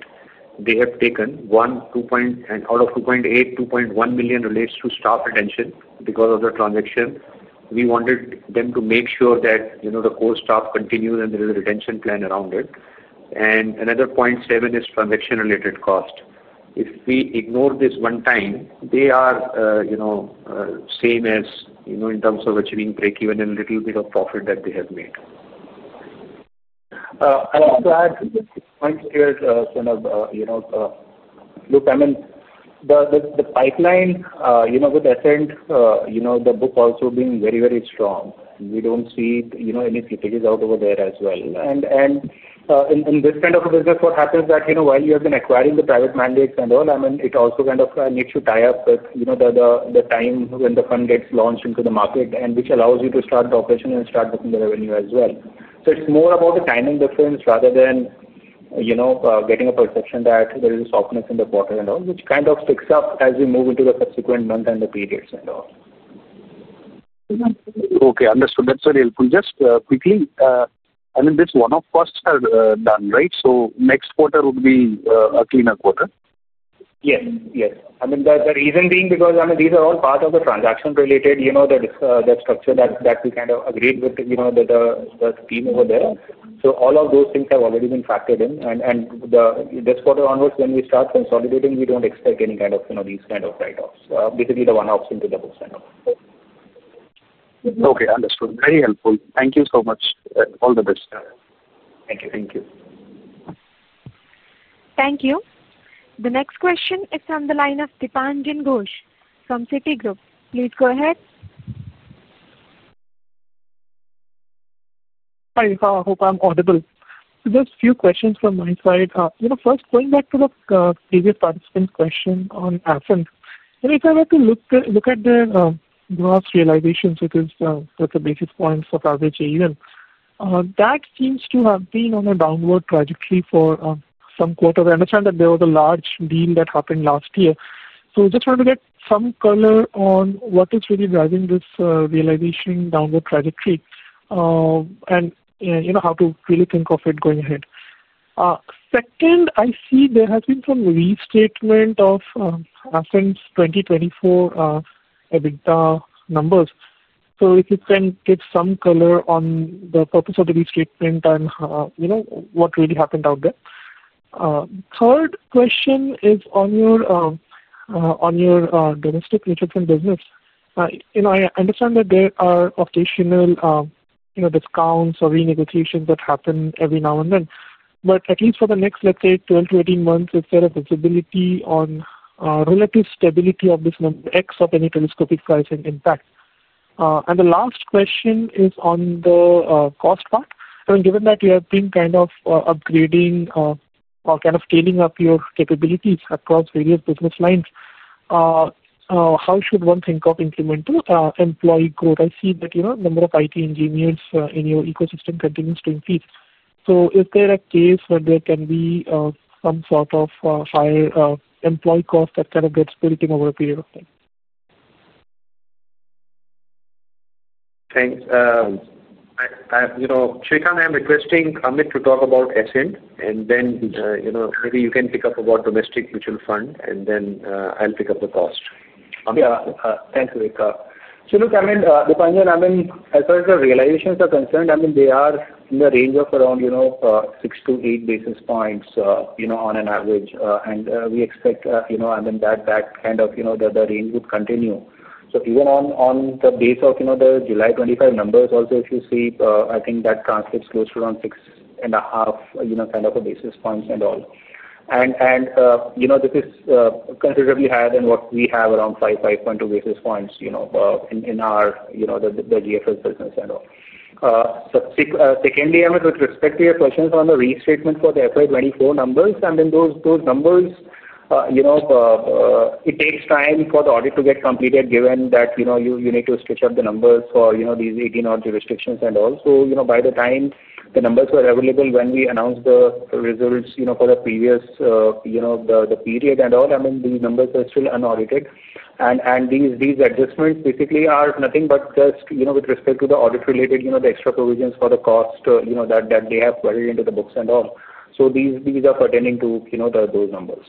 they have taken. Out of $2.8 million, $2.1 million relates to staff retention because of the transaction. We wanted them to make sure that the core staff continues and there is a retention plan around it. Another $0.7 million is transaction-related cost. If we ignore this one time, they are the same in terms of achieving breakeven and a little bit of profit that they have made. I'd like to add [to what you said] Sreekanth. Look, the pipeline with Ascent, the book also being very, very strong. We don't see any slippages out over there as well. In this kind of a business, what happens is that while you have been acquiring the private mandates and all, it also kind of needs to tie up with the time when the fund gets launched into the market, which allows you to start the operation and start looking at the revenue as well. It's more about the timing difference rather than getting a perception that there is a softness in the quarter, which kind of picks up as we move into the subsequent months and the periods. Okay. Understood. That's very helpful. Just quickly, I mean, these one-off costs are done, right? Next quarter would be a cleaner quarter? Yes. I mean, the reason being because these are all part of the transaction-related structure that we kind of agreed with the team over there. All of those things have already been factored in. This quarter onwards, when we start consolidating, we don't expect any kind of these kind of write-offs. Basically, the one-offs into the book send-off. Okay, understood. Very helpful. Thank you so much. All the best. Thank you. Thank you. Thank you. The next question is from the line of Dipanjan Ghosh from Citi Group. Please go ahead. Hi, Sreekanth. I hope I'm audible. Just a few questions from my side. First, going back to the previous participant Ascent, if I were to look at the gross realizations, which is the basis points of average AUM, that seems to have been on a downward trajectory for some quarters. I understand that there was a large deal that happened last year. I just wanted to get some color on what is really driving this realization downward trajectory, and how to really think of it going ahead. Second, I see there has been some restatement of Ascent's 2024 EBITDA numbers. If you can give some color on the purpose of the restatement and what really happened out there. Third question is on your domestic mutual fund business. I understand that there are occasional discounts or renegotiations that happen every now and then. At least for the next, let's say, 12-18 months, is there a visibility on relative stability of this number, except any telescopic pricing impact? The last question is on the cost part. Given that you have been kind of upgrading or scaling up your capabilities across various business lines, how should one think of implementing employee growth? I see that the number of IT engineers in your ecosystem continues to increase. Is there a case where there can be some sort of higher employee cost that kind of gets split over a period of time? Thanks. Sreekanth, I'm requesting Amit to Ascent, and then, you know, maybe you can pick up about domestic mutual fund, and then I'll pick up the cost. Amit? Yeah. Thanks, Sreekanth. Look, I mean, Dipanjan, as far as the realizations are concerned, they are in the range of around, you know, 6 to 8 basis points on an average, and we expect that kind of range would continue. Even on the base of the July 2025 numbers also, if you see, I think that translates close to around 6.5 basis points. This is considerably higher than what we have, around 5.2 basis points, in our GFS business. Secondly, Amit, with respect to your questions on the restatement for the FY 2024 numbers, those numbers take time for the audit to get completed given that you need to stitch up the numbers for these 18 odd jurisdictions. By the time the numbers were available when we announced the results for the previous period, these numbers are still unaudited. These adjustments basically are nothing but just with respect to the audit-related extra provisions for the cost that they have buried into the books. These are pertaining to those numbers.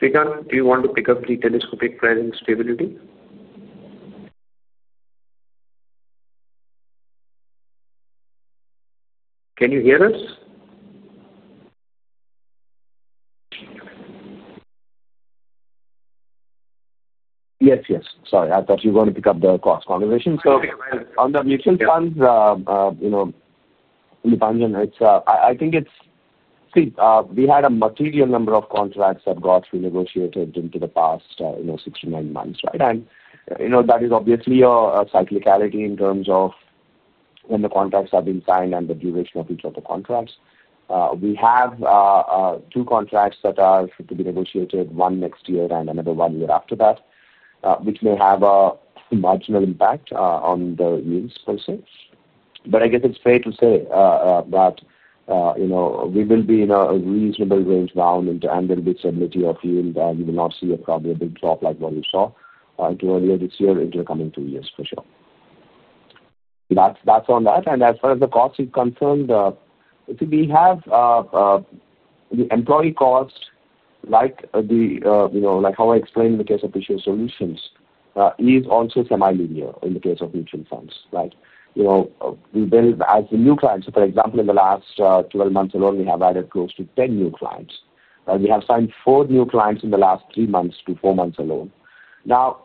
Sreekanth, do you want to pick up the [telescopic pricing] stability? Can you hear us? Yes, yes. Sorry. I thought you were going to pick up the cost conversation. On the mutual funds, you know, Dipanjan, I think it's, see, we had a material number of contracts that got renegotiated in the past, you know, six to nine months, right? That is obviously a cyclicality in terms of when the contracts have been signed and the duration of each of the contracts. We have two contracts that are to be negotiated, one next year and another one year after that, which may have a marginal impact on the yields per se. I guess it's fair to say that, you know, we will be in a reasonable range bound and there will be stability of yield, and you will not see probably a big drop like what we saw earlier this year into the coming two years for sure. That's on that. As far as the costs are concerned, see, we have the employee cost, like, you know, like how I explained in the case of issuer solutions, is also semi-linear in the case of mutual funds, right? You know, we build as the new clients. For example, in the last 12 months alone, we have added close to 10 new clients. We have signed four new clients in the last three months to four months alone. Now,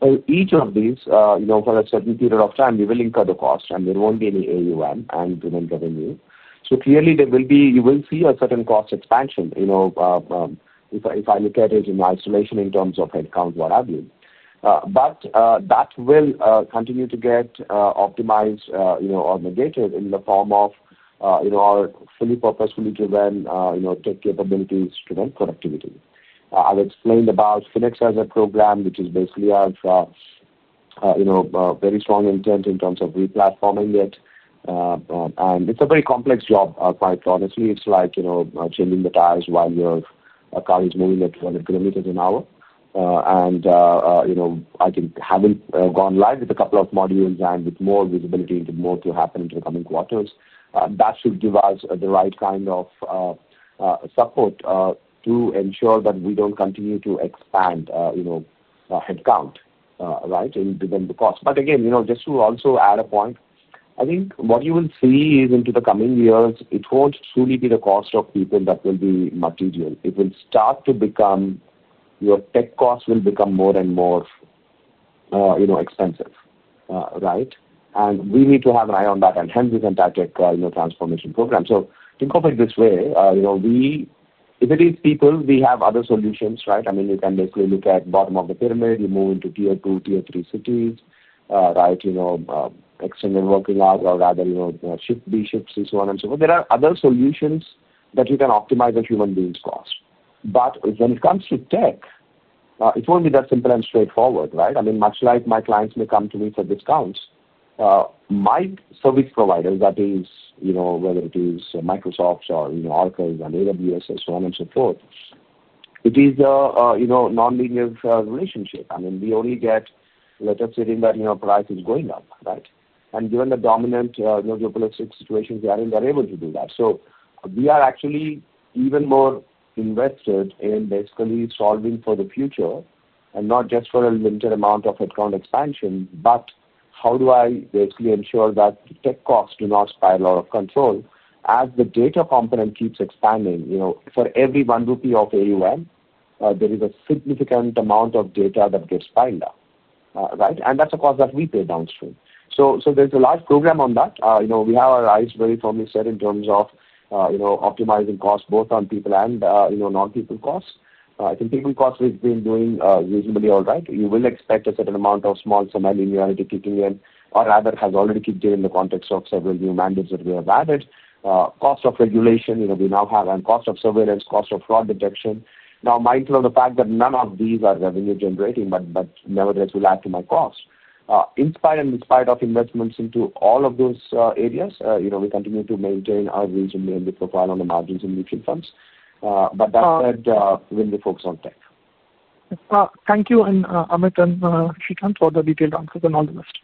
for each of these, you know, for a certain period of time, we will incur the cost, and there won't be any AUM and given revenue. Clearly, you will see a certain cost expansion, you know, if I look at it in isolation in terms of headcount, what have you. That will continue to get optimized, you know, or negated in the form of, you know, our fully purposefully driven, you know, tech capabilities to then productivity. I've explained about FINEX as a program, which is basically our, you know, very strong intent in terms of replatforming it. It's a very complex job, quite honestly. It's like, you know, changing the tires while your car is moving at 100 km an hour. I think having gone live with a couple of modules and with more visibility into more to happen in the coming quarters, that should give us the right kind of support to ensure that we don't continue to expand, you know, headcount, right, and given the cost. Again, just to also add a point, I think what you will see is in the coming years, it won't truly be the cost of people that will be material. It will start to become your tech costs will become more and more, you know, expensive, right? We need to have an eye on that. Hence, we can tackle, you know, transformation programs. Think of it this way. If it is people, we have other solutions, right? I mean, you can basically look at the bottom of the pyramid. You move into tier two, tier three cities, right? Extended working hours or rather, you know, shift B, shift C, so on and so forth. There are other solutions that you can optimize a human being's cost. When it comes to tech, it won't be that simple and straightforward, right? Much like my clients may come to me for discounts, my service providers, that is, whether it is Microsoft or, you know, Oracle and AWS and so on and so forth, it is a non-linear relationship. We only get, let us say, in that, you know, price is going up, right? Given the dominant geopolitical situations we are in, they're able to do that. We are actually even more invested in basically solving for the future and not just for a limited amount of headcount expansion, but how do I basically ensure that the tech costs do not spiral out of control as the data component keeps expanding? For every 1 rupee of AUM, there is a significant amount of data that gets piled up, right? That's a cost that we pay downstream. There's a large program on that. We have our eyes very firmly set in terms of optimizing costs both on people and non-people costs. I think people costs we've been doing reasonably all right. You will expect a certain amount of small semi-linearity kicking in, or rather has already kicked in in the context of several new mandates that we have added. Cost of regulation, we now have, and cost of surveillance, cost of fraud detection. Mindful of the fact that none of these are revenue generating, but nevertheless, will add to my costs. In spite and despite of investments into all of those areas, we continue to maintain our reasonably profile on the margins in mutual funds. That said, we'll be focused on tech. Thank you, and Amit and Sreekanth for the detailed answers and all the rest.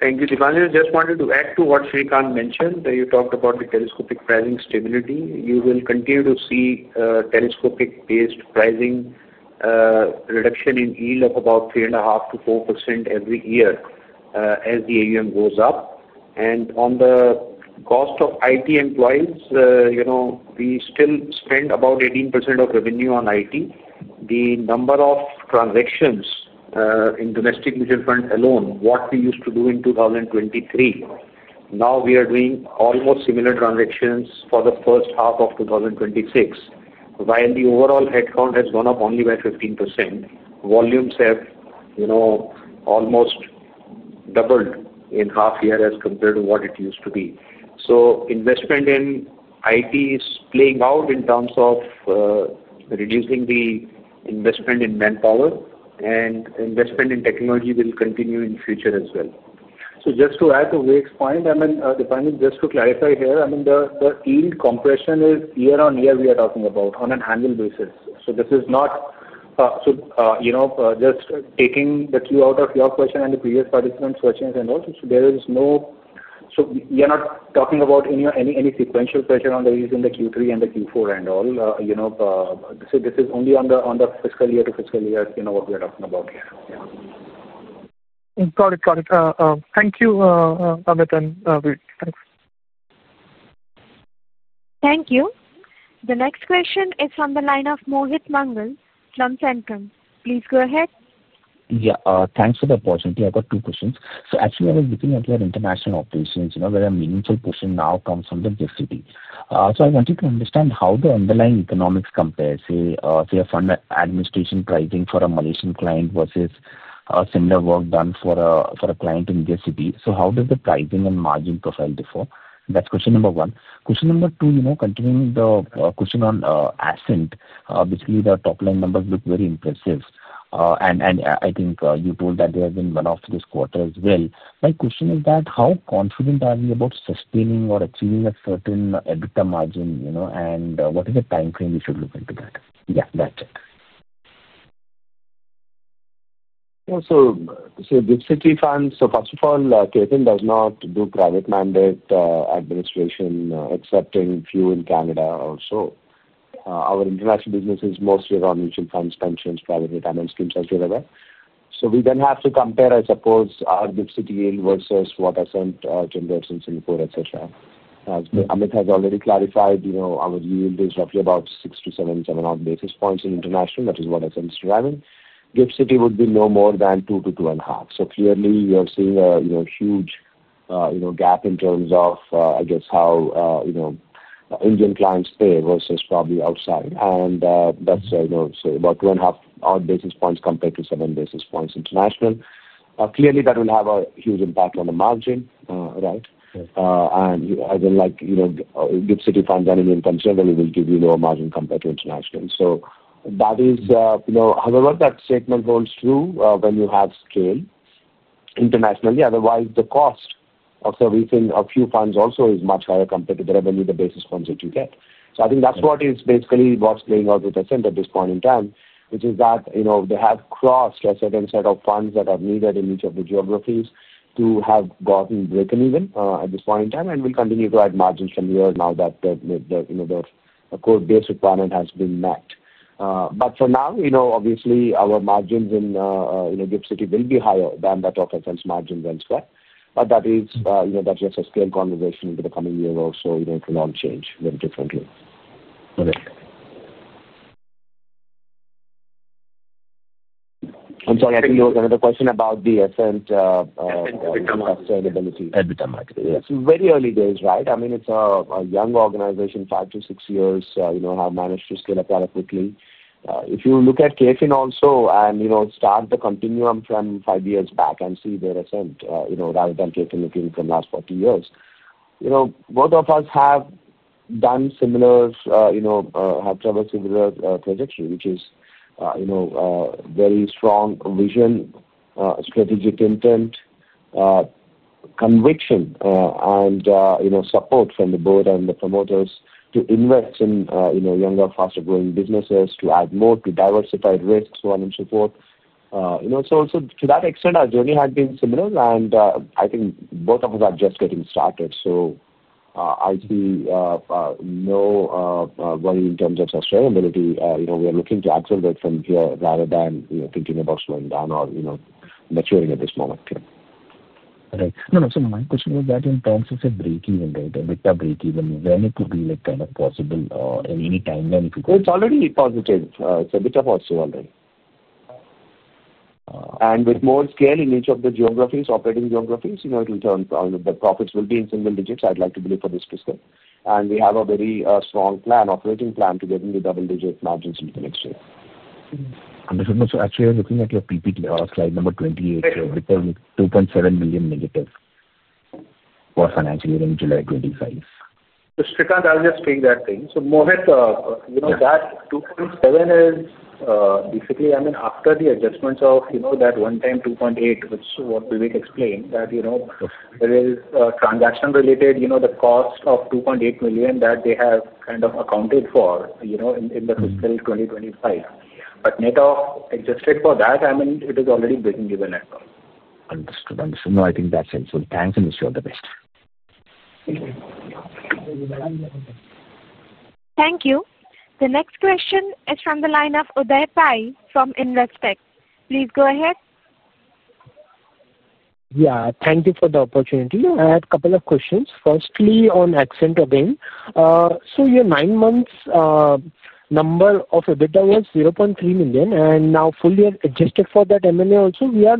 Thank you, Dipanjan. Just wanted to add to what Sreekanth mentioned that you talked about the telescopic trends stability. You will continue to see telescopic-based pricing reduction in yield of about 3.5%-4% every year as the AUM goes up. On the cost of IT employees, you know, we still spend about 18% of revenue on IT. The number of transactions in domestic mutual funds alone, what we used to do in 2023, now we are doing almost similar transactions for the first half of 2026. While the overall headcount has gone up only by 15%, volumes have almost doubled in half year as compared to what it used to be. Investment in IT is playing out in terms of reducing the investment in manpower, and investment in technology will continue in the future as well. Just to add to Vivek's point, Dipanjan, just to clarify here, the yield compression is year-on-year we are talking about on an annual basis. This is not, just taking the cue out of your question and the previous participants' questions, we are not talking about any sequential pressure on the reason, the Q3 and the Q4 and all. This is only on the fiscal year to fiscal year, what we are talking about here. Got it. Got it. Thank you, Amit and Vivek. Thanks. Thank you. The next question is from the line of Mohit Mangal from Centrum. Please go ahead. Yeah. Thanks for the opportunity. I've got two questions. I was looking at your international operations, you know, where a meaningful portion now comes from the GIFT City. I wanted to understand how the underlying economics compare, say, a fund administration pricing for a Malaysian client versus similar work done for a client in GIFT City. How does the pricing and margin profile differ? That's question number one. Question number two, continuing the question on Ascent, basically, the top line numbers look very impressive. I think you told that they have been run off this quarter as well. My question is how confident are we about sustaining or achieving a certain EBITDA margin, and what is the timeframe we should look into that? Yeah, that's it. Yeah. GIFT City. First of all, KFin does not do private mandate administration, except in a few in Canada or so. Our international business is mostly around mutual funds, pensions, private retirement schemes, as we're aware. We then have to compare, I suppose, our GIFT City yield versus what Ascent, [Tim Gerson], Singapore, etc. As Amit has already clarified, our yield is roughly about 6 to 7, 7 odd basis points in international. That is what Ascent is driving. GIFT City would be no more than 2 to 2.5. Clearly, you're seeing a huge gap in terms of, I guess, how Indian clients pay versus probably outside. That's about 2.5 odd basis points compared to 7 basis points international. Clearly, that will have a huge impact on the margin, right? As in, GIFT City funds and income generally will give you lower margin compared to international. That statement holds true when you have scale internationally. Otherwise, the cost of servicing a few funds also is much higher compared to the revenue, the basis points that you get. I think that's basically what's playing out with Ascent at this point in time, which is that they have crossed a certain set of funds that are needed in each of the geographies to have gotten break-even at this point in time and will continue to add margins from here now that the core base requirement has been met. For now, obviously, our margins in GIFT City will be higher than the top FS margins elsewhere. That is just a scale conversation into the coming year or so. It will all change very differently. I'm sorry. I think there was another question the Ascent sustainability. EBITDA margin. Yes. Very early days, right? I mean, it's a young organization, five to six years, have managed to scale up rather quickly. If you look at KFin also and start the continuum from five years back and see where Ascent, rather than KFin looking from the last 40 years, both of us have traveled a similar trajectory, which is very strong vision, strategic intent, conviction, and support from the board and the promoters to invest in younger, faster-growing businesses to add more to diversified risks, so on and so forth. To that extent, our journey has been similar. I think both of us are just getting started. I see no worry in terms of sustainability. We are looking to accelerate from here rather than thinking about slowing down or maturing at this moment. Okay. My question was that in terms of a break-even, right, EBITDA break-even, when it would be like kind of possible in any timeline if you could. It's already positive. With more scale in each of the operating geographies, it will turn, the profits will be in single digits, I'd like to believe for this Q4. We have a very strong operating plan to get in the double-digit margins into the next year. Understood. Actually, I'm looking at your PP slide number 28, EBITDA $2.7 million negative for financial year in July 2025. Sreekanth, I'll just take that thing. Mohit, you know, that 2.7 is basically, I mean, after the adjustments of that one-time 2.8, which is what Vivek explained, that there is a transaction-related cost of $2.8 million that they have kind of accounted for in the fiscal 2025. Net of adjusted for that, I mean, it is already breaking even at. Understood. I think that's it. Thanks, and wish you all the best. Thank you. The next question is from the line of Uday Pai from Investec. Please go ahead. Thank you for the opportunity. I had a couple of questions. Firstly, on Ascent again, your nine months' number of EBITDA was $0.3 million. Now, full year adjusted for that M&A also, we are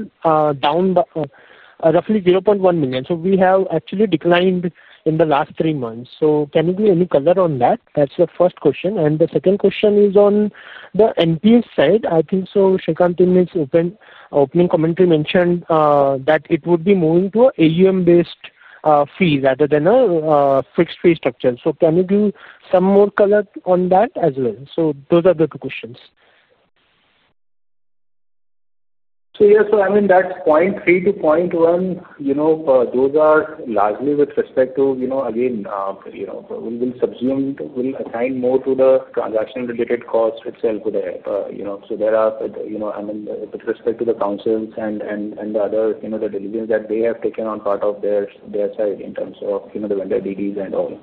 down roughly $0.1 million. We have actually declined in the last three months. Can you give any color on that? That's the first question. The second question is on the NPS side. I think Sreekanth's opening commentary mentioned that it would be moving to an AUM-based fee rather than a fixed fee structure. Can you give some more color on that as well? Those are the two questions. Yeah, I mean, that's 0.3-0.1. Those are largely with respect to, again, we will subsume, we'll assign more to the transaction-related costs itself today. There are, I mean, with respect to the counsels and the other deliveries that they have taken on part of their side in terms of the vendor DDs and all.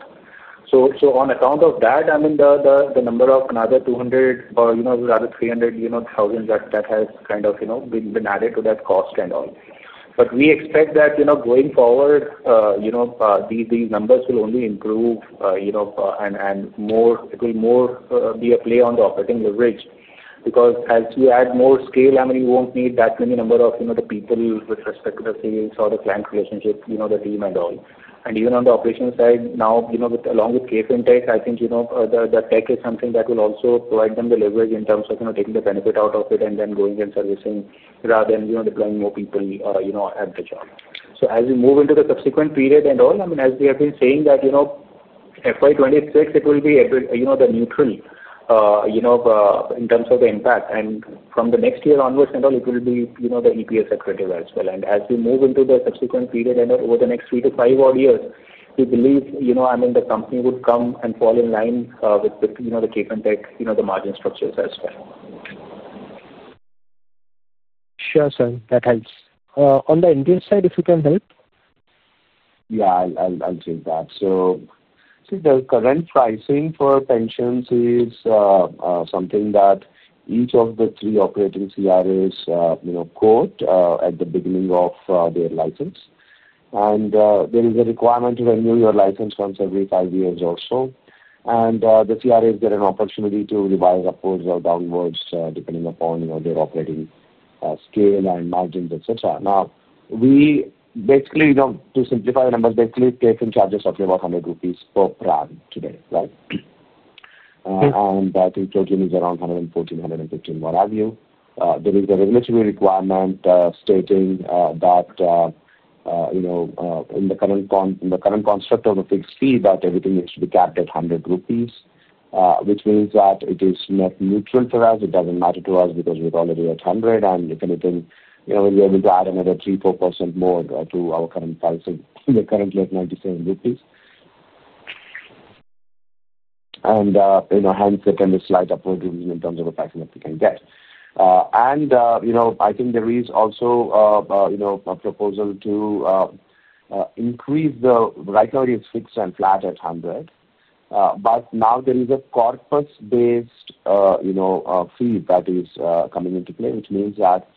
On account of that, the number of another 200 or, rather, 300 thousands that has kind of been added to that cost and all. We expect that, going forward, these numbers will only improve, and more, it will more be a play on the operating leverage because as you add more scale, you won't need that many number of people with respect to the sales or the client relationship team and all. Even on the operational side now, along with KFin Tech, I think the tech is something that will also provide them the leverage in terms of taking the benefit out of it and then going and servicing rather than deploying more people at the job. As we move into the subsequent period, as we have been saying, FY 2026, it will be neutral in terms of the impact. From the next year onwards, it will be the NPS equator as well. As we move into the subsequent period over the next three to five odd years, we believe the company would come and fall in line with the KFin Tech margin structures as well. Sure, sir. That helps. On the Indian side, if you can help. Yeah, I'll take that. See, the current pricing for pensions is something that each of the three operating CRAs quote at the beginning of their license. There is a requirement to renew your license once every five years or so. The CRAs get an opportunity to revise upwards or downwards, depending upon their operating scale and margins, etc. Now, to simplify the numbers, basically, KFin charges roughly about 100 rupees per pram today, right? Yeah. I think [KFin] is around 114, 115, what have you. There is a regulatory requirement stating that, in the current construct of a fixed fee, everything needs to be capped at 100 rupees, which means that it is net neutral for us. It doesn't matter to us because we're already at 100. If anything, we'll be able to add another 3%-4% more to our current price. We're currently at 97 rupees, and hence, there can be slight upwards in terms of the pricing that we can get. I think there is also a proposal to increase the right now, it is fixed and flat at 100. Now there is a corpus-based fee that is coming into play, which means that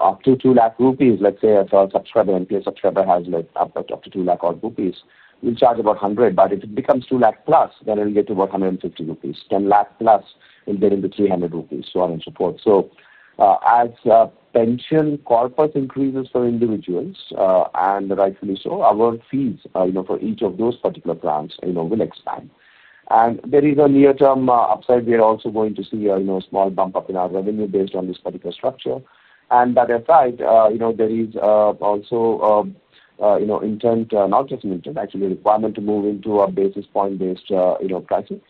up to 2 lakh rupees let's say, if a subscriber, an NPS subscriber, has up to 2 lakh rupees, we'll charge about 100. If it becomes 2+ lakh, then it'll get to about 150 rupees. 1+ lakh rupees will get into 300 rupees, so on and so forth. As pension corpus increases for individuals, and rightfully so, our fees for each of those particular plans will expand. There is a near-term upside. We are also going to see a small bump up in our revenue based on this particular structure. That aside, there is also intent, not just an intent, actually, a requirement to move into a basis point-based pricing,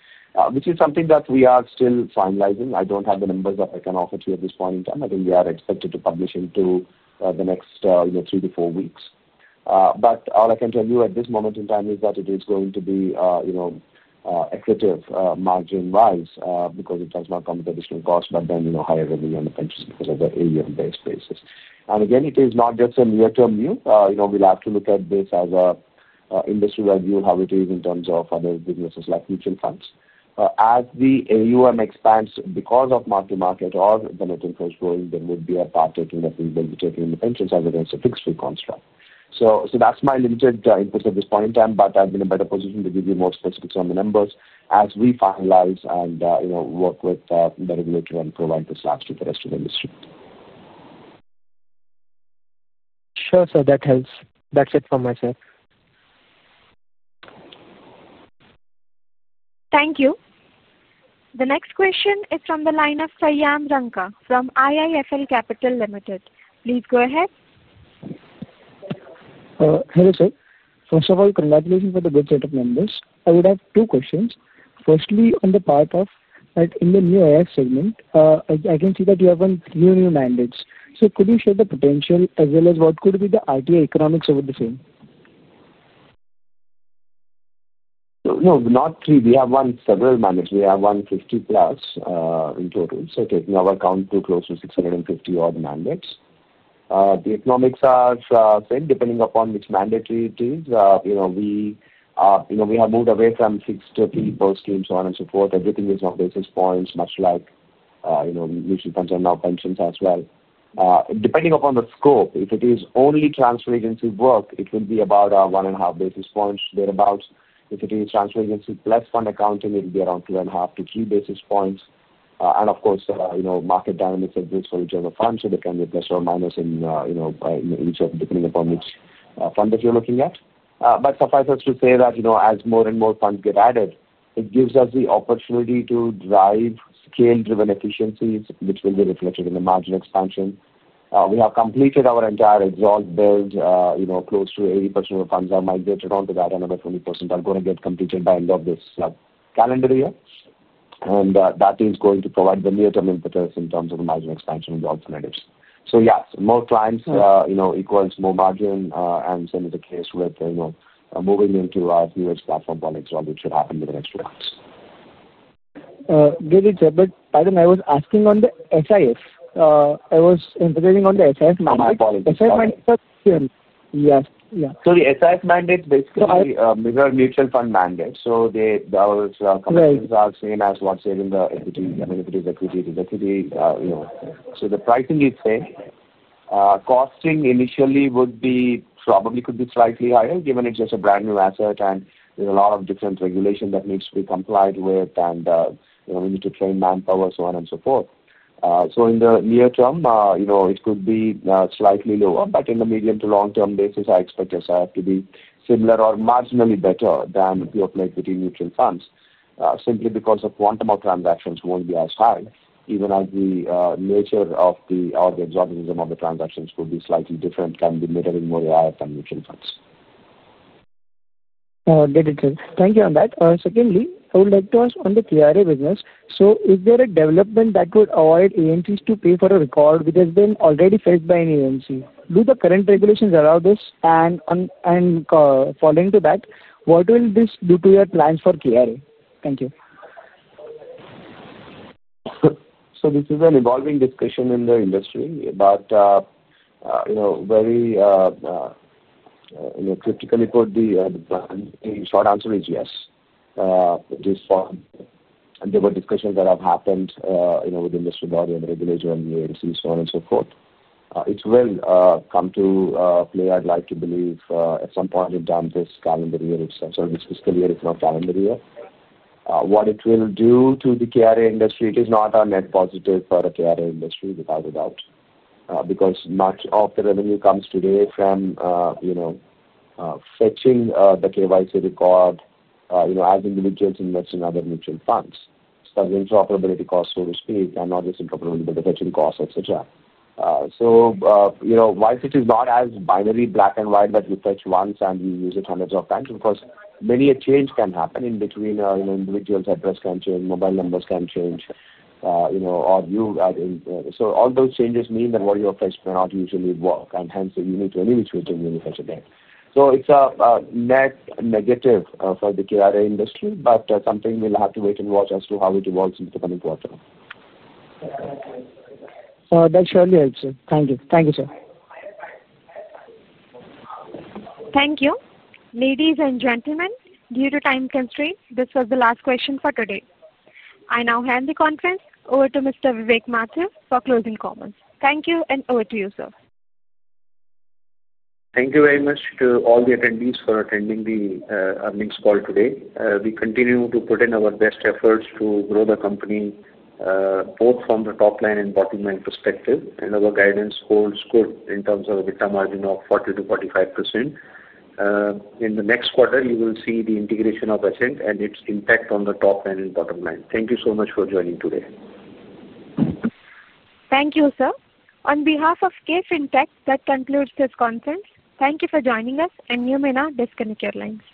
which is something that we are still finalizing. I don't have the numbers that I can offer to you at this point in time. I think we are expected to publish it in the next three to four weeks. All I can tell you at this moment in time is that it is going to be equitative, margin-wise, because it does not come with additional costs, but then higher revenue in the pension because of the AUM-based basis. It is not just a near-term view. We have to look at this as an industry-wide view, how it is in terms of other businesses like mutual fund services. As the AUM expands because of market-to-market or the net interest growing, there would be a part-taking that we will be taking in the pensions as against a fixed-fee construct. That's my limited input at this point in time, but I'd be in a better position to give you more specifics on the numbers as we finalize and work with the regulator and provide the slides to the rest of the industry. Sure, that helps. That's it from myself. Thank you. The next question is from the line of [Priyaan Ranka] from IIFL Capital Limited. Please go ahead. Hello, sir. First of all, congratulations for the good set of numbers. I would have two questions. Firstly, in the new AI segment, I can see that you have won a few new mandates. Could you share the potential as well as what could be the RTA economics over the same? No, not really. We have won several mandates. We have 150+ in total, taking our account to close to 650-odd mandates. The economics are fair, depending upon which mandate it is. You know, we have moved away from fixed fee per scheme, so on and so forth. Everything is now basis points, much like, you know, mutual funds are now pensions as well. Depending upon the scope, if it is only transfer agency work, it will be about 1.5 basis points thereabouts. If it is transfer agency plus fund accounting, it will be around 2.5-3 basis points. Of course, market dynamics are good for each of the funds, so there can be a plus or minus in each, depending upon which fund that you're looking at. Suffice it to say that as more and more funds get added, it gives us the opportunity to drive scale-driven efficiencies, which will be reflected in the margin expansion. We have completed our entire exhaust build. Close to 80% of the funds are migrated onto that, and another 20% are going to get completed by the end of this calendar year. That is going to provide the near-term impetus in terms of the margin expansion and the alternatives. Yes, more clients equals more margin, and same is the case with moving into our QS platform policies, all which should happen within the next two months. Very good, sir. Pardon me, I was asking on the SIS. I was interested in on the SIS mandate. My apologies. SIS mandate. Yes. Yes. Yeah. The SIS mandate basically mirrors mutual fund mandates. The commissions are the same as what's there in the equity. I mean, if it is equity, it is equity. The pricing is fair. Costing initially could be slightly higher given it's just a brand new asset and there's a lot of different regulations that need to be complied with, and we need to train manpower, so on and so forth. In the near term, it could be slightly lower, but in the medium to long-term basis, I expect SIS to be similar or marginally better than PurePlay PT mutual funds simply because the quantum of transactions won't be as high, even as the nature of the exorbitance of the transactions could be slightly different than the mirroring, more AI than mutual funds. Very good. Thank you on that. Secondly, I would like to ask on the CRA business. Is there a development that would avoid ANCs to pay for a record which has been already felt by an ANC? Do the current regulations allow this? Following to that, what will this do to your plans for CRA? Thank you. This is an evolving discussion in the industry, but very critically, the plan—the short answer is yes. This form, and there were discussions that have happened with the Industry Audit and the regulator and the AMC, so on and so forth. It will come to play, I'd like to believe, at some point in time this fiscal year. What it will do to the CRA industry, it is not a net positive for the CRA industry, without a doubt, because much of the revenue comes today from fetching the KYC record as individuals invest in other mutual funds. It's the interoperability cost, so to speak, and not just interoperability, but the fetching cost, etc. Why it is not as binary, black and white, that you fetch once and you use it hundreds of times is because many a change can happen in between—individuals' addresses can change, mobile numbers can change, or you are in. All those changes mean that what you are fetching may not usually work, and hence, you need to renew each mutual when you fetch again. It's a net negative for the CRA industry, but something we'll have to wait and watch as to how it evolves in the coming quarter. That surely helps, sir. Thank you. Thank you, sir. Thank you. Ladies and gentlemen, due to time constraints, this was the last question for today. I now hand the conference over to Mr. Vivek Mathur for closing comments. Thank you and over to you, sir. Thank you very much to all the attendees for attending the earnings call today. We continue to put in our best efforts to grow the company, both from the top line and bottom line perspective, and our guidance holds good in terms of a return margin of 40%-45%. In the next quarter, you will see the integration of Ascent and its impact on the top line and bottom line. Thank you so much for joining today. Thank you, sir. On behalf of KFin Tech, that concludes this conference. Thank you for joining us, and you may now disconnect your lines.